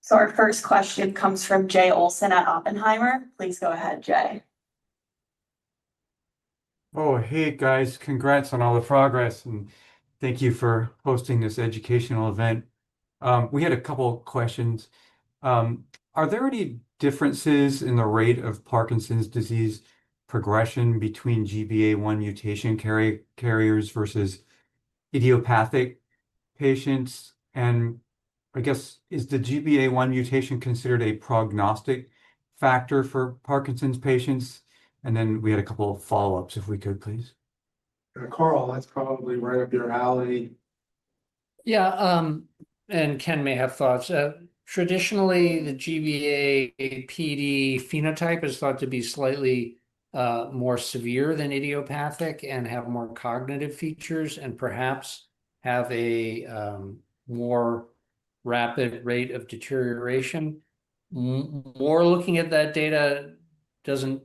A: So our first question comes from Jay Olson at Oppenheimer. Please go ahead, Jay.
F: Oh, hey, guys. Congrats on all the progress. And thank you for hosting this educational event. We had a couple of questions. Are there any differences in the rate of Parkinson's disease progression between GBA1 mutation carriers versus idiopathic patients? And I guess, is the GBA1 mutation considered a prognostic factor for Parkinson's patients? And then we had a couple of follow-ups, if we could, please.
B: Karl, that's probably right up your alley.
D: Yeah. And Ken may have thoughts. Traditionally, the GBA-PD phenotype is thought to be slightly more severe than idiopathic and have more cognitive features and perhaps have a more rapid rate of deterioration. More looking at that data doesn't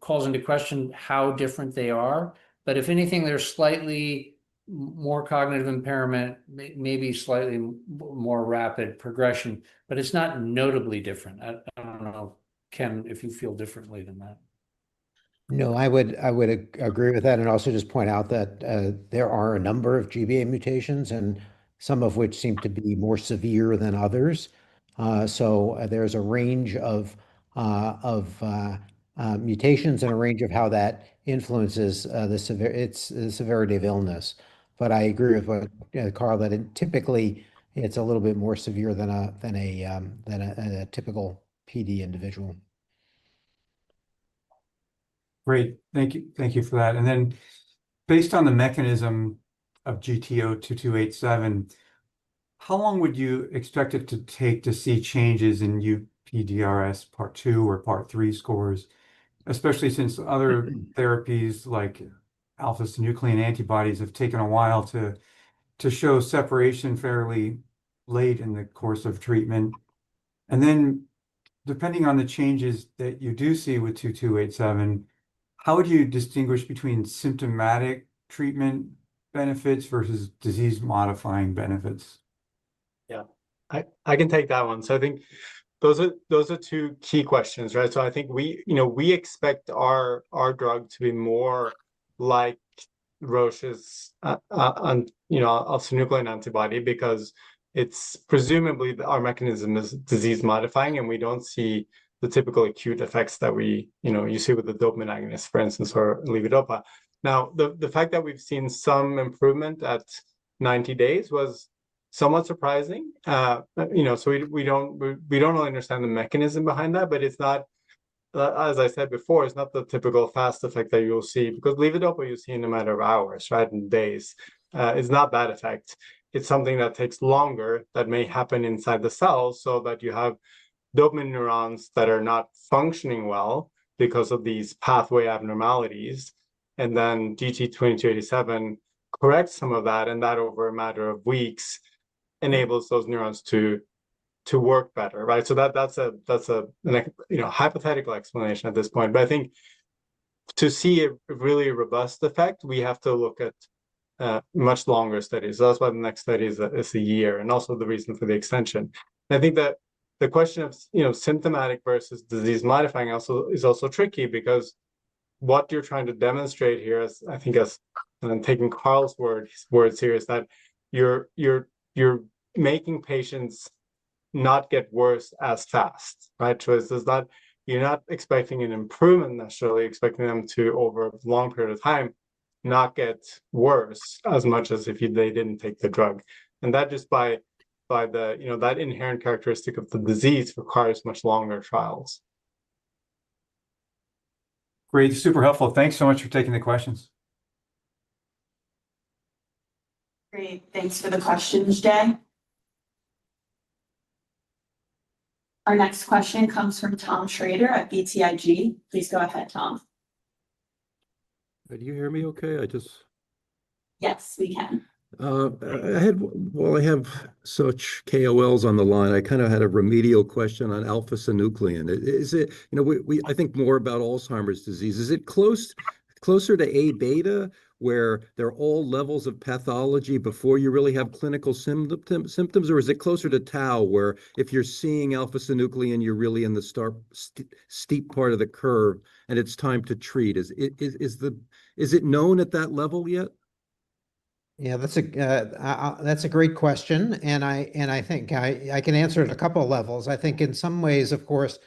D: call into question how different they are. But if anything, they're slightly more cognitive impairment, maybe slightly more rapid progression. But it's not notably different. I don't know, Ken, if you feel differently than that.
C: No, I would agree with that and also just point out that there are a number of GBA mutations, some of which seem to be more severe than others. So there's a range of mutations and a range of how that influences the severity of illness. But I agree with Karl that typically, it's a little bit more severe than a typical PD individual.
F: Great. Thank you for that. And then based on the mechanism of GT-02287, how long would you expect it to take to see changes in UPDRS Part 2 or Part 3 scores, especially since other therapies like alpha-synuclein antibodies have taken a while to show separation fairly late in the course of treatment? And then depending on the changes that you do see with 2287, how would you distinguish between symptomatic treatment benefits versus disease-modifying benefits?
E: Yeah. I can take that one. So, I think those are two key questions, right? So I think we expect our drug to be more like Roche's alpha-synuclein antibody because presumably our mechanism is disease-modifying, and we don't see the typical acute effects that you see with the dopaminergics, for instance, or levodopa. Now, the fact that we've seen some improvement at 90 days was somewhat surprising, so we don't really understand the mechanism behind that, but as I said before, it's not the typical fast effect that you'll see because levodopa, you see, in a matter of hours, right, and days. It's not that effect. It's something that takes longer that may happen inside the cell so that you have dopamine neurons that are not functioning well because of these pathway abnormalities, and then GT-02287 corrects some of that, and that over a matter of weeks enables those neurons to work better, right? So that's a hypothetical explanation at this point. But I think to see a really robust effect, we have to look at much longer studies. So that's why the next study is a year and also the reason for the extension. I think that the question of symptomatic versus disease-modifying is also tricky because what you're trying to demonstrate here, I think, as I'm taking Karl's words here, is that you're making patients not get worse as fast, right? So you're not expecting an improvement, necessarily expecting them to, over a long period of time, not get worse as much as if they didn't take the drug. And that just by that inherent characteristic of the disease requires much longer trials.
F: Great. Super helpful. Thanks so much for taking the questions.
A: Great. Thanks for the questions, Jay. Our next question comes from Tom Shrader at BTIG. Please go ahead, Tom.
G: Can you hear me okay?
A: Yes, we can.
G: Well, I have such KOLs on the line. I kind of had a remedial question on alpha-synuclein. I think more about Alzheimer's disease. Is it closer to Aβ where there are all levels of pathology before you really have clinical symptoms, or is it closer to tau where if you're seeing alpha-synuclein, you're really in the steep part of the curve and it's time to treat? Is it known at that level yet?
C: Yeah, that's a great question, and I think I can answer it on a couple of levels. I think in some ways, of course,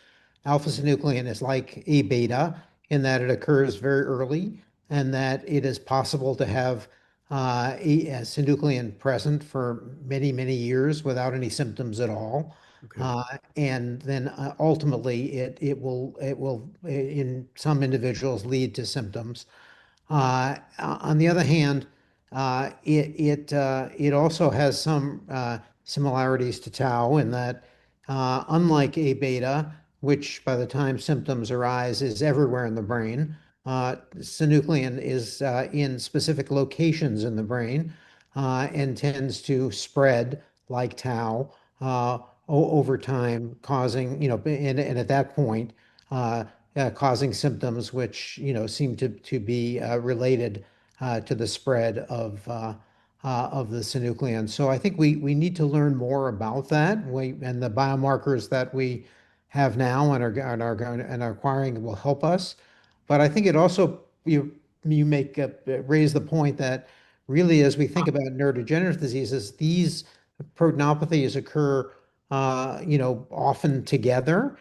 C: alpha-synuclein is like Aβ in that it occurs very early and that it is possible to have synuclein present for many, many years without any symptoms at all, and then ultimately, it will, in some individuals, lead to symptoms. On the other hand, it also has some similarities to tau in that unlike Aβ, which by the time symptoms arise is everywhere in the brain, synuclein is in specific locations in the brain and tends to spread like tau over time, and at that point, causing symptoms which seem to be related to the spread of the synuclein. So I think we need to learn more about that, and the biomarkers that we have now and are acquiring will help us, but I think it also raised the point that really, as we think about neurodegenerative diseases, these proteinopathies occur often together.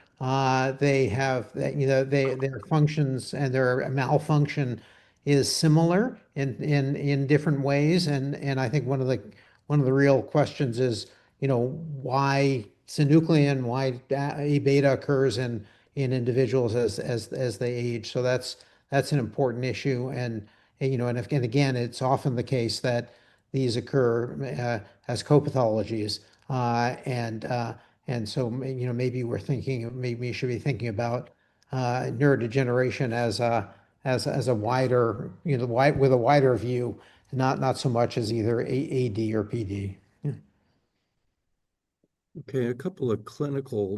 C: They have their functions and their malfunction is similar in different ways, and I think one of the real questions is why synuclein, why Aβ occurs in individuals as they age, so that's an important issue. And again, it's often the case that these occur as co-pathologies. And so maybe we should be thinking about neurodegeneration as a wider view, not so much as either AD or PD.
G: Okay. A couple of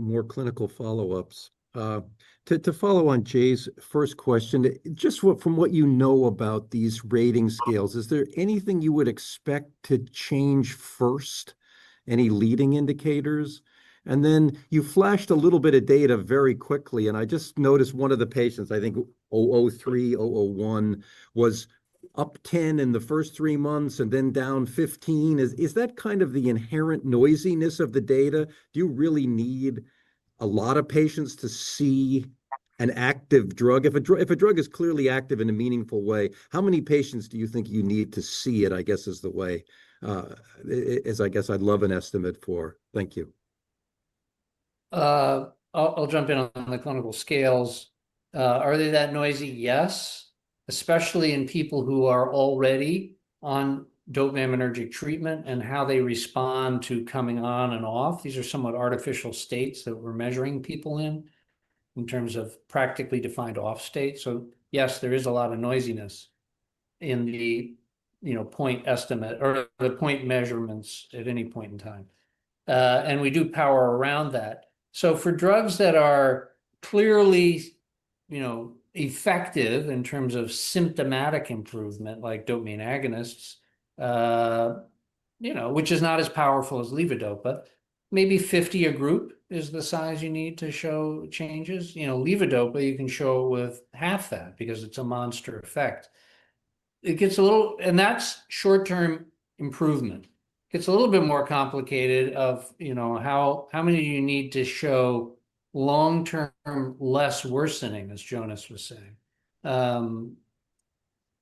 G: more clinical follow-ups. To follow on Jay's first question, just from what you know about these rating scales, is there anything you would expect to change first? Any leading indicators? And then you flashed a little bit of data very quickly. And I just noticed one of the patients, I think 003, 001, was up 10 in the first three months and then down 15. Is that kind of the inherent noisiness of the data? Do you really need a lot of patients to see an active drug? If a drug is clearly active in a meaningful way, how many patients do you think you need to see it, I guess, is the way, I guess I'd love an estimate for. Thank you.
D: I'll jump in on the clinical scales. Are they that noisy? Yes, especially in people who are already on dopaminergic treatment and how they respond to coming on and off. These are somewhat artificial states that we're measuring people in terms of practically defined off state. So yes, there is a lot of noisiness in the point estimate or the point measurements at any point in time, and we do power around that. So for drugs that are clearly effective in terms of symptomatic improvement, like dopamine agonists, which is not as powerful as levodopa, maybe 50 a group is the size you need to show changes. Levodopa, you can show with half that because it's a monster effect. And that's short-term improvement. It's a little bit more complicated of how many do you need to show long-term less worsening, as Jonas was saying.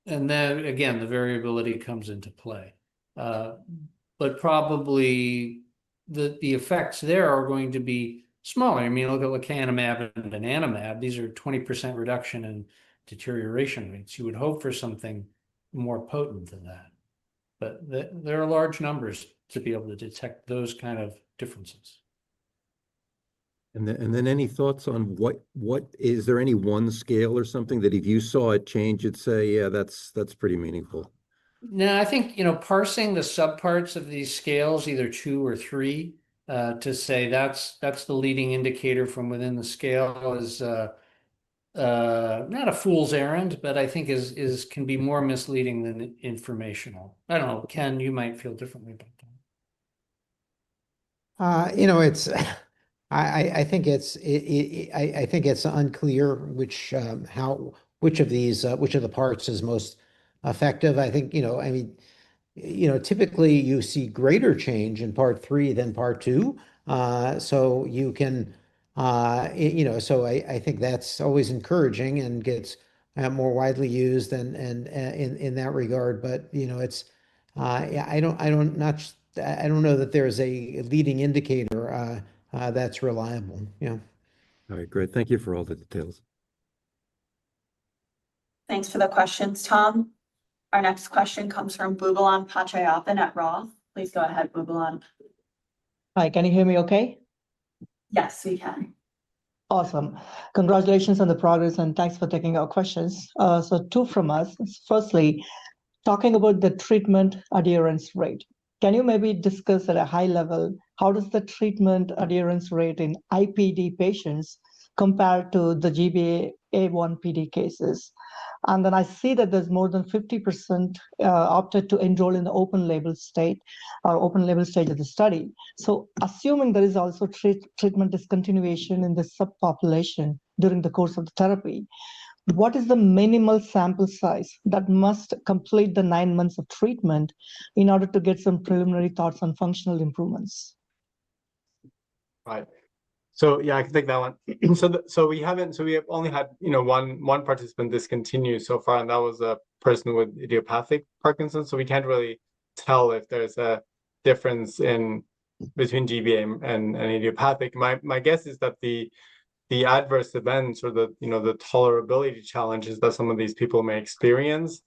D: And then again, the variability comes into play. But probably the effects there are going to be smaller. I mean, look at lecanemab and donanemab. These are 20% reduction in deterioration rates. You would hope for something more potent than that. But there are large numbers to be able to detect those kind of differences.
G: And then any thoughts on what is there any one scale or something that if you saw a change, you'd say, "Yeah, that's pretty meaningful"?
D: No, I think parsing the subparts of these scales, either two or three, to say that's the leading indicator from within the scale is not a fool's errand, but I think can be more misleading than informational. I don't know. Ken, you might feel differently about that.
C: I think it's unclear which of these, which of the parts is most effective. I mean, typically, you see greater change in Part 3 than Part 2. So you can so I think that's always encouraging and gets more widely used in that regard. But I don't know that there's a leading indicator that's reliable.
G: All right. Great. Thank you for all the details.
A: Thanks for the questions, Tom. Our next question comes from Boobalan Pachaiyappan at Roth. Please go ahead, Boobalan.
H: Hi. Can you hear me okay?
A: Yes, we can.
H: Awesome. Congratulations on the progress, and thanks for taking our questions. Two from us, firstly, talking about the treatment adherence rate, can you maybe discuss at a high level how does the treatment adherence rate in IPD patients compare to the GBA1-PD cases? And then I see that there's more than 50% opted to enroll in the open-label stage of the study. So assuming there is also treatment discontinuation in the subpopulation during the course of the therapy, what is the minimal sample size that must complete the nine months of treatment in order to get some preliminary thoughts on functional improvements?
E: Right. So yeah, I can take that one. So we have only had one participant discontinue so far, and that was a person with idiopathic Parkinson's. So we can't really tell if there's a difference between GBA and idiopathic. My guess is that the adverse events or the tolerability challenges that some of these people may experience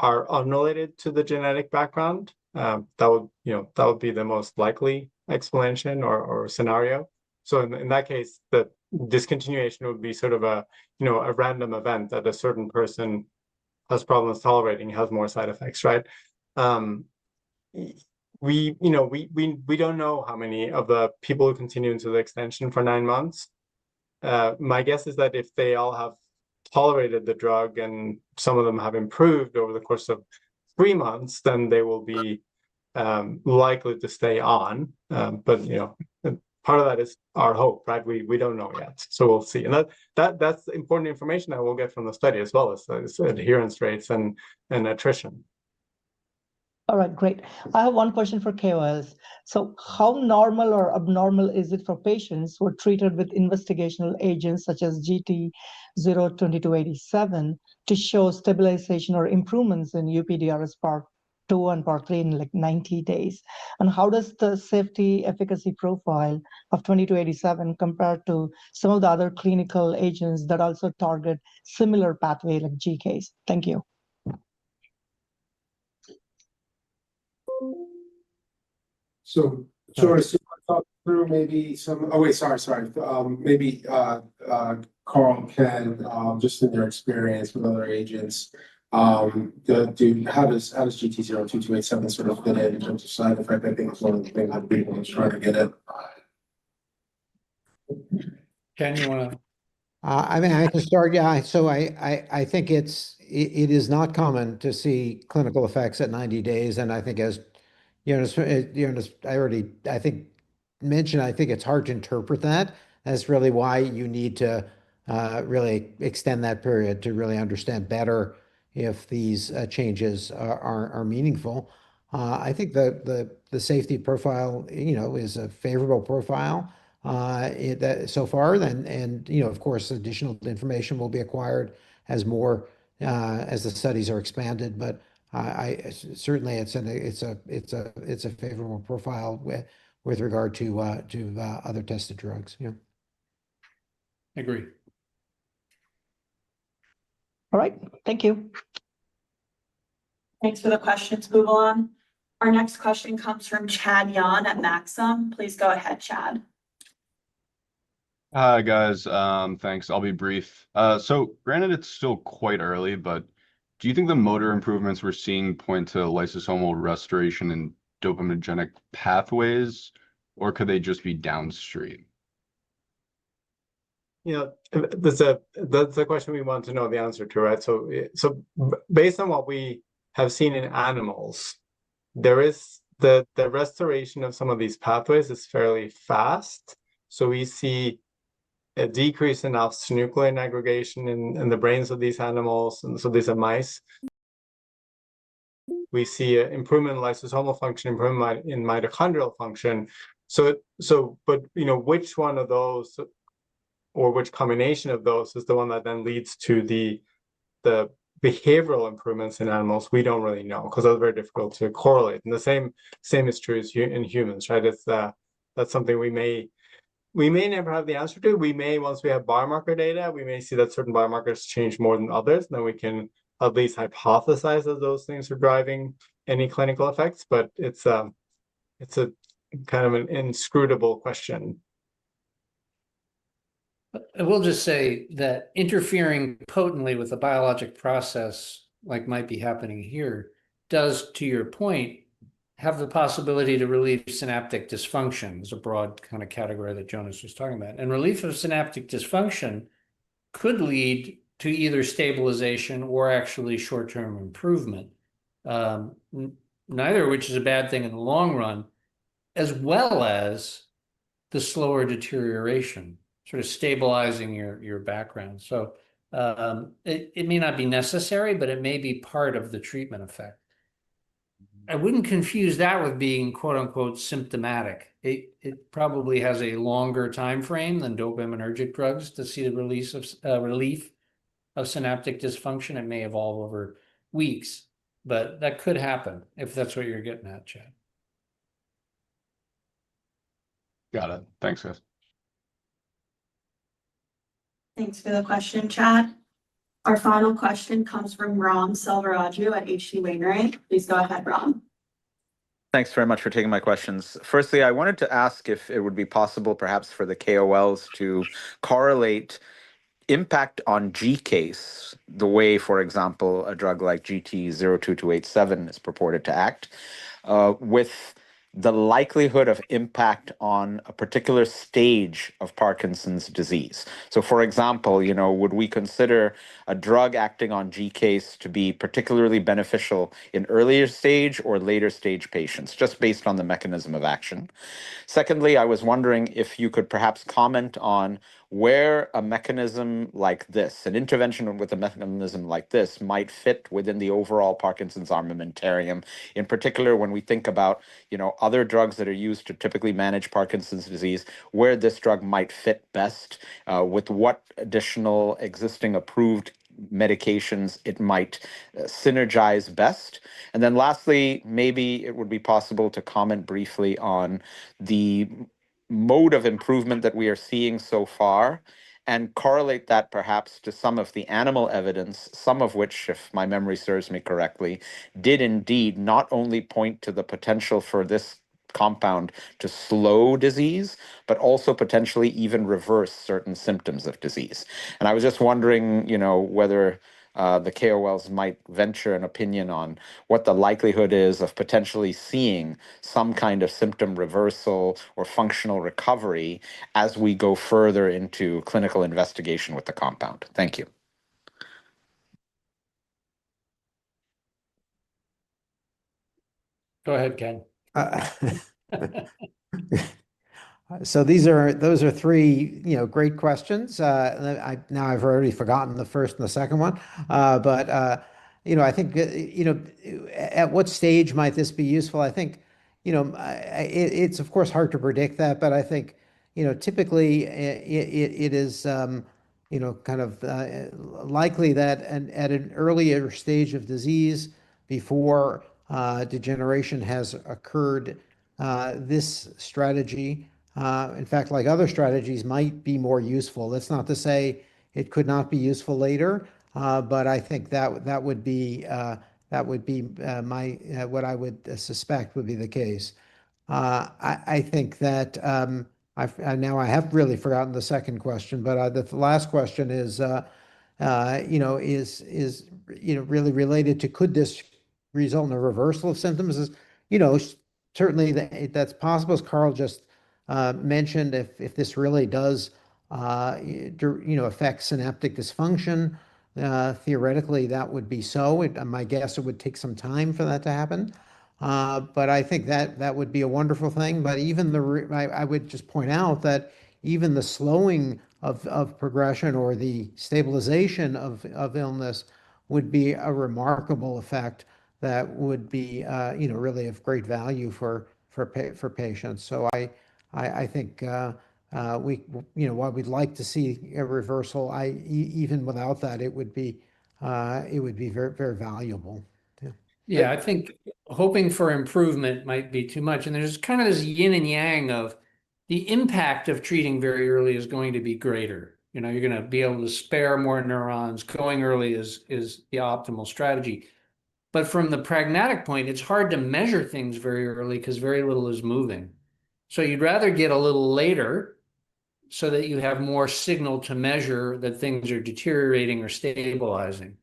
E: are unrelated to the genetic background. That would be the most likely explanation or scenario. So, in that case, the discontinuation would be sort of a random event that a certain person has problems tolerating, has more side effects, right? We don't know how many of the people who continue into the extension for nine months. My guess is that if they all have tolerated the drug and some of them have improved over the course of three months, then they will be likely to stay on. But part of that is our hope, right? We don't know yet. So, we'll see. And that's important information that we'll get from the study as well as adherence rates and attrition.
H: All right. Great. I have one question for KOLs. So how normal or abnormal is it for patients who are treated with investigational agents such as GT-02287 to show stabilization or improvements in UPDRS Part 2 and Part 3 in like 90 days? And how does the safety efficacy profile of 2287 compare to some of the other clinical agents that also target similar pathway like GCase? Thank you.
B: Maybe Karl can, just in your experience with other agents, how does GT-02287 sort of fit in terms of side effect? I think it's one of the things that people are trying to get at. Ken, you want to?
C: I mean, I can start. Yeah. So I think it is not common to see clinical effects at 90 days. And I think, as Jonas already mentioned, I think it's hard to interpret that. That's really why you need to really extend that period to really understand better if these changes are meaningful. I think the safety profile is a favorable profile so far. And of course, additional information will be acquired as the studies are expanded. But certainly, it's a favorable profile with regard to other tested drugs, yeah.
D: I Agree.
H: All right. Thank you.
A: Thanks for the questions, Boobalan. Our next question comes from Chad Yahn at Maxim. Please go ahead, Chad.
I: Hi, guys. Thanks. I'll be brief. So granted, it's still quite early, but do you think the motor improvements we're seeing point to lysosomal restoration in dopaminergic pathways, or could they just be downstream?
E: That's a question we want to know the answer to, right? So based on what we have seen in animals, the restoration of some of these pathways is fairly fast. We see a decrease in alpha-synuclein aggregation in the brains of these animals. And so, these are mice. We see an improvement in lysosomal function, improvement in mitochondrial function. But which one of those or which combination of those is the one that then leads to the behavioral improvements in animals, we don't really know because it's very difficult to correlate. And the same is true in humans, right? That's something we may never have the answer to, we may once we have biomarker data, we may see that certain biomarkers change more than others. Then we can at least hypothesize that those things are driving any clinical effects. But it's kind of an inscrutable question.
D: I will just say that interfering potently with the biologic process like might be happening here does, to your point, have the possibility to relieve synaptic dysfunction. It's a broad kind of category that Jonas was talking about, and relief of synaptic dysfunction could lead to either stabilization or actually short-term improvement, neither of which is a bad thing in the long run, as well as the slower deterioration, sort of stabilizing your background, so it may not be necessary, but it may be part of the treatment effect. I wouldn't confuse that with being "symptomatic." It probably has a longer time frame than dopaminergic drugs to see the relief of synaptic dysfunction. It may evolve over weeks, but that could happen if that's what you're getting at, Chad.
I: Got it. Thanks, guys.
A: Thanks for the question, Chad. Our final question comes from Ram Selvaraju at H.C. Wainwright. Please go ahead, Ram.
J: Thanks very much for taking my questions. Firstly, I wanted to ask if it would be possible, perhaps, for the KOLs to correlate impact on GCase the way, for example, a drug like GT-02287 is purported to act with the likelihood of impact on a particular stage of Parkinson's disease. So for example, would we consider a drug acting on GCase to be particularly beneficial in earlier stage or later stage patients, just based on the mechanism of action? Secondly, I was wondering if you could perhaps comment on where a mechanism like this, an intervention with a mechanism like this, might fit within the overall Parkinson's armamentarium, in particular when we think about other drugs that are used to typically manage Parkinson's disease, where this drug might fit best with what additional existing approved medications it might synergize best? And then lastly, maybe it would be possible to comment briefly on the mode of improvement that we are seeing so far and correlate that perhaps to some of the animal evidence, some of which, if my memory serves me correctly, did indeed not only point to the potential for this compound to slow disease, but also potentially even reverse certain symptoms of disease. And I was just wondering whether the KOLs might venture an opinion on what the likelihood is of potentially seeing some kind of symptom reversal or functional recovery as we go further into clinical investigation with the compound. Thank you.
D: Go ahead, Ken.
C: So those are three great questions. Now I've already forgotten the first and the second one. But I think at what stage might this be useful? I think it's, of course, hard to predict that, but I think typically, it is kind of likely that at an earlier stage of disease before degeneration has occurred, this strategy, in fact, like other strategies, might be more useful. That's not to say it could not be useful later, but I think that would be what I would suspect would be the case. I think that now I have really forgotten the second question, but the last question is really related to could this result in a reversal of symptoms? Certainly, that's possible, as Karl just mentioned. If this really does affect synaptic dysfunction, theoretically, that would be so. My guess, it would take some time for that to happen. But I think that would be a wonderful thing. But I would just point out that even the slowing of progression or the stabilization of illness would be a remarkable effect that would be really of great value for patients. So I think why we'd like to see a reversal, even without that, it would be very valuable.
D: Yeah. I think hoping for improvement might be too much. And there's kind of this yin and yang of the impact of treating very early is going to be greater. You're going to be able to spare more neurons. Going early is the optimal strategy. But from the pragmatic point, it's hard to measure things very early because very little is moving. So you'd rather get a little later so that you have more signal to measure that things are deteriorating or stabilizing,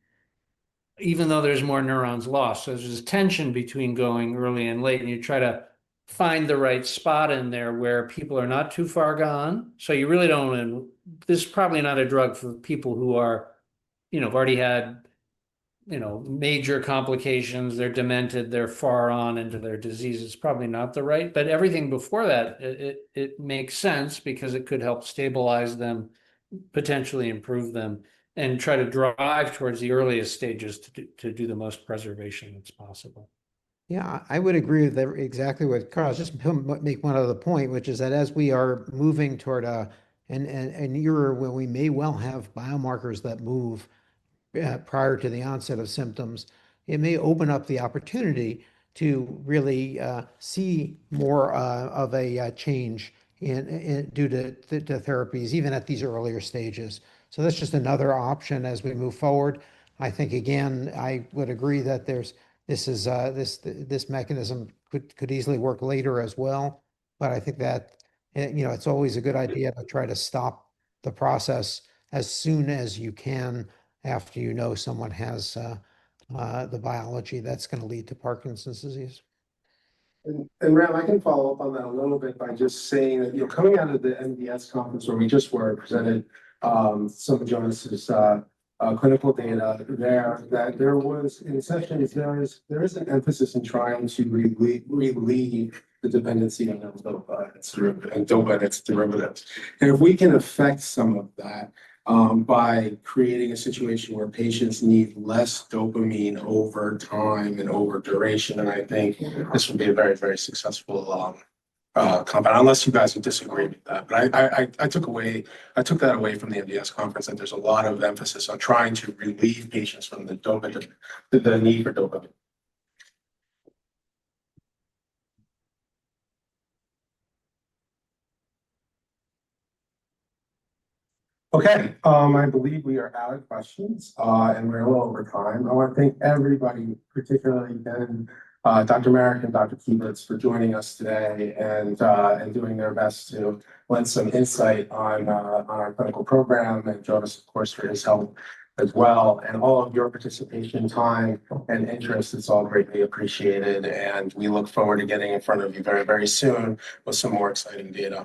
D: even though there's more neurons lost. So there's this tension between going early and late. And you try to find the right spot in there where people are not too far gone. So you really don't want to. This is probably not a drug for people who have already had major complications. They're demented. They're far on into their disease. It's probably not the right. But everything before that, it makes sense because it could help stabilize them, potentially improve them, and try to drive towards the earliest stages to do the most preservation that's possible.
C: Yeah. I would agree with exactly what Karl just made one other point, which is that as we are moving toward a nearer where we may well have biomarkers that move prior to the onset of symptoms, it may open up the opportunity to really see more of a change due to therapies, even at these earlier stages. So that's just another option as we move forward. I think, again, I would agree that this mechanism could easily work later as well. But I think that it's always a good idea to try to stop the process as soon as you can after you know someone has the biology that's going to lead to Parkinson's disease.
B: And, Ram, I can follow up on that a little bit by just saying that coming out of the MDS conference where we just were presented some of Jonas's clinical data there, that there was, in some cases, there is an emphasis in trying to relieve the dependency on dopamine derivatives. And if we can affect some of that by creating a situation where patients need less dopamine over time and over duration, then I think this would be a very, very successful compound, unless you guys would disagree with that. But I took that away from the MDS conference, that there's a lot of emphasis on trying to relieve patients from the need for dopamine. Okay. I believe we are out of questions, and we're a little over time. I want to thank everybody, particularly Dr. Marek and Dr. Kieburtz, for joining us today and doing their best to lend some insight on our clinical program. And Jonas, of course, for his help as well. And all of your participation, time, and interest is all greatly appreciated. And we look forward to getting in front of you very, very soon with some more exciting data.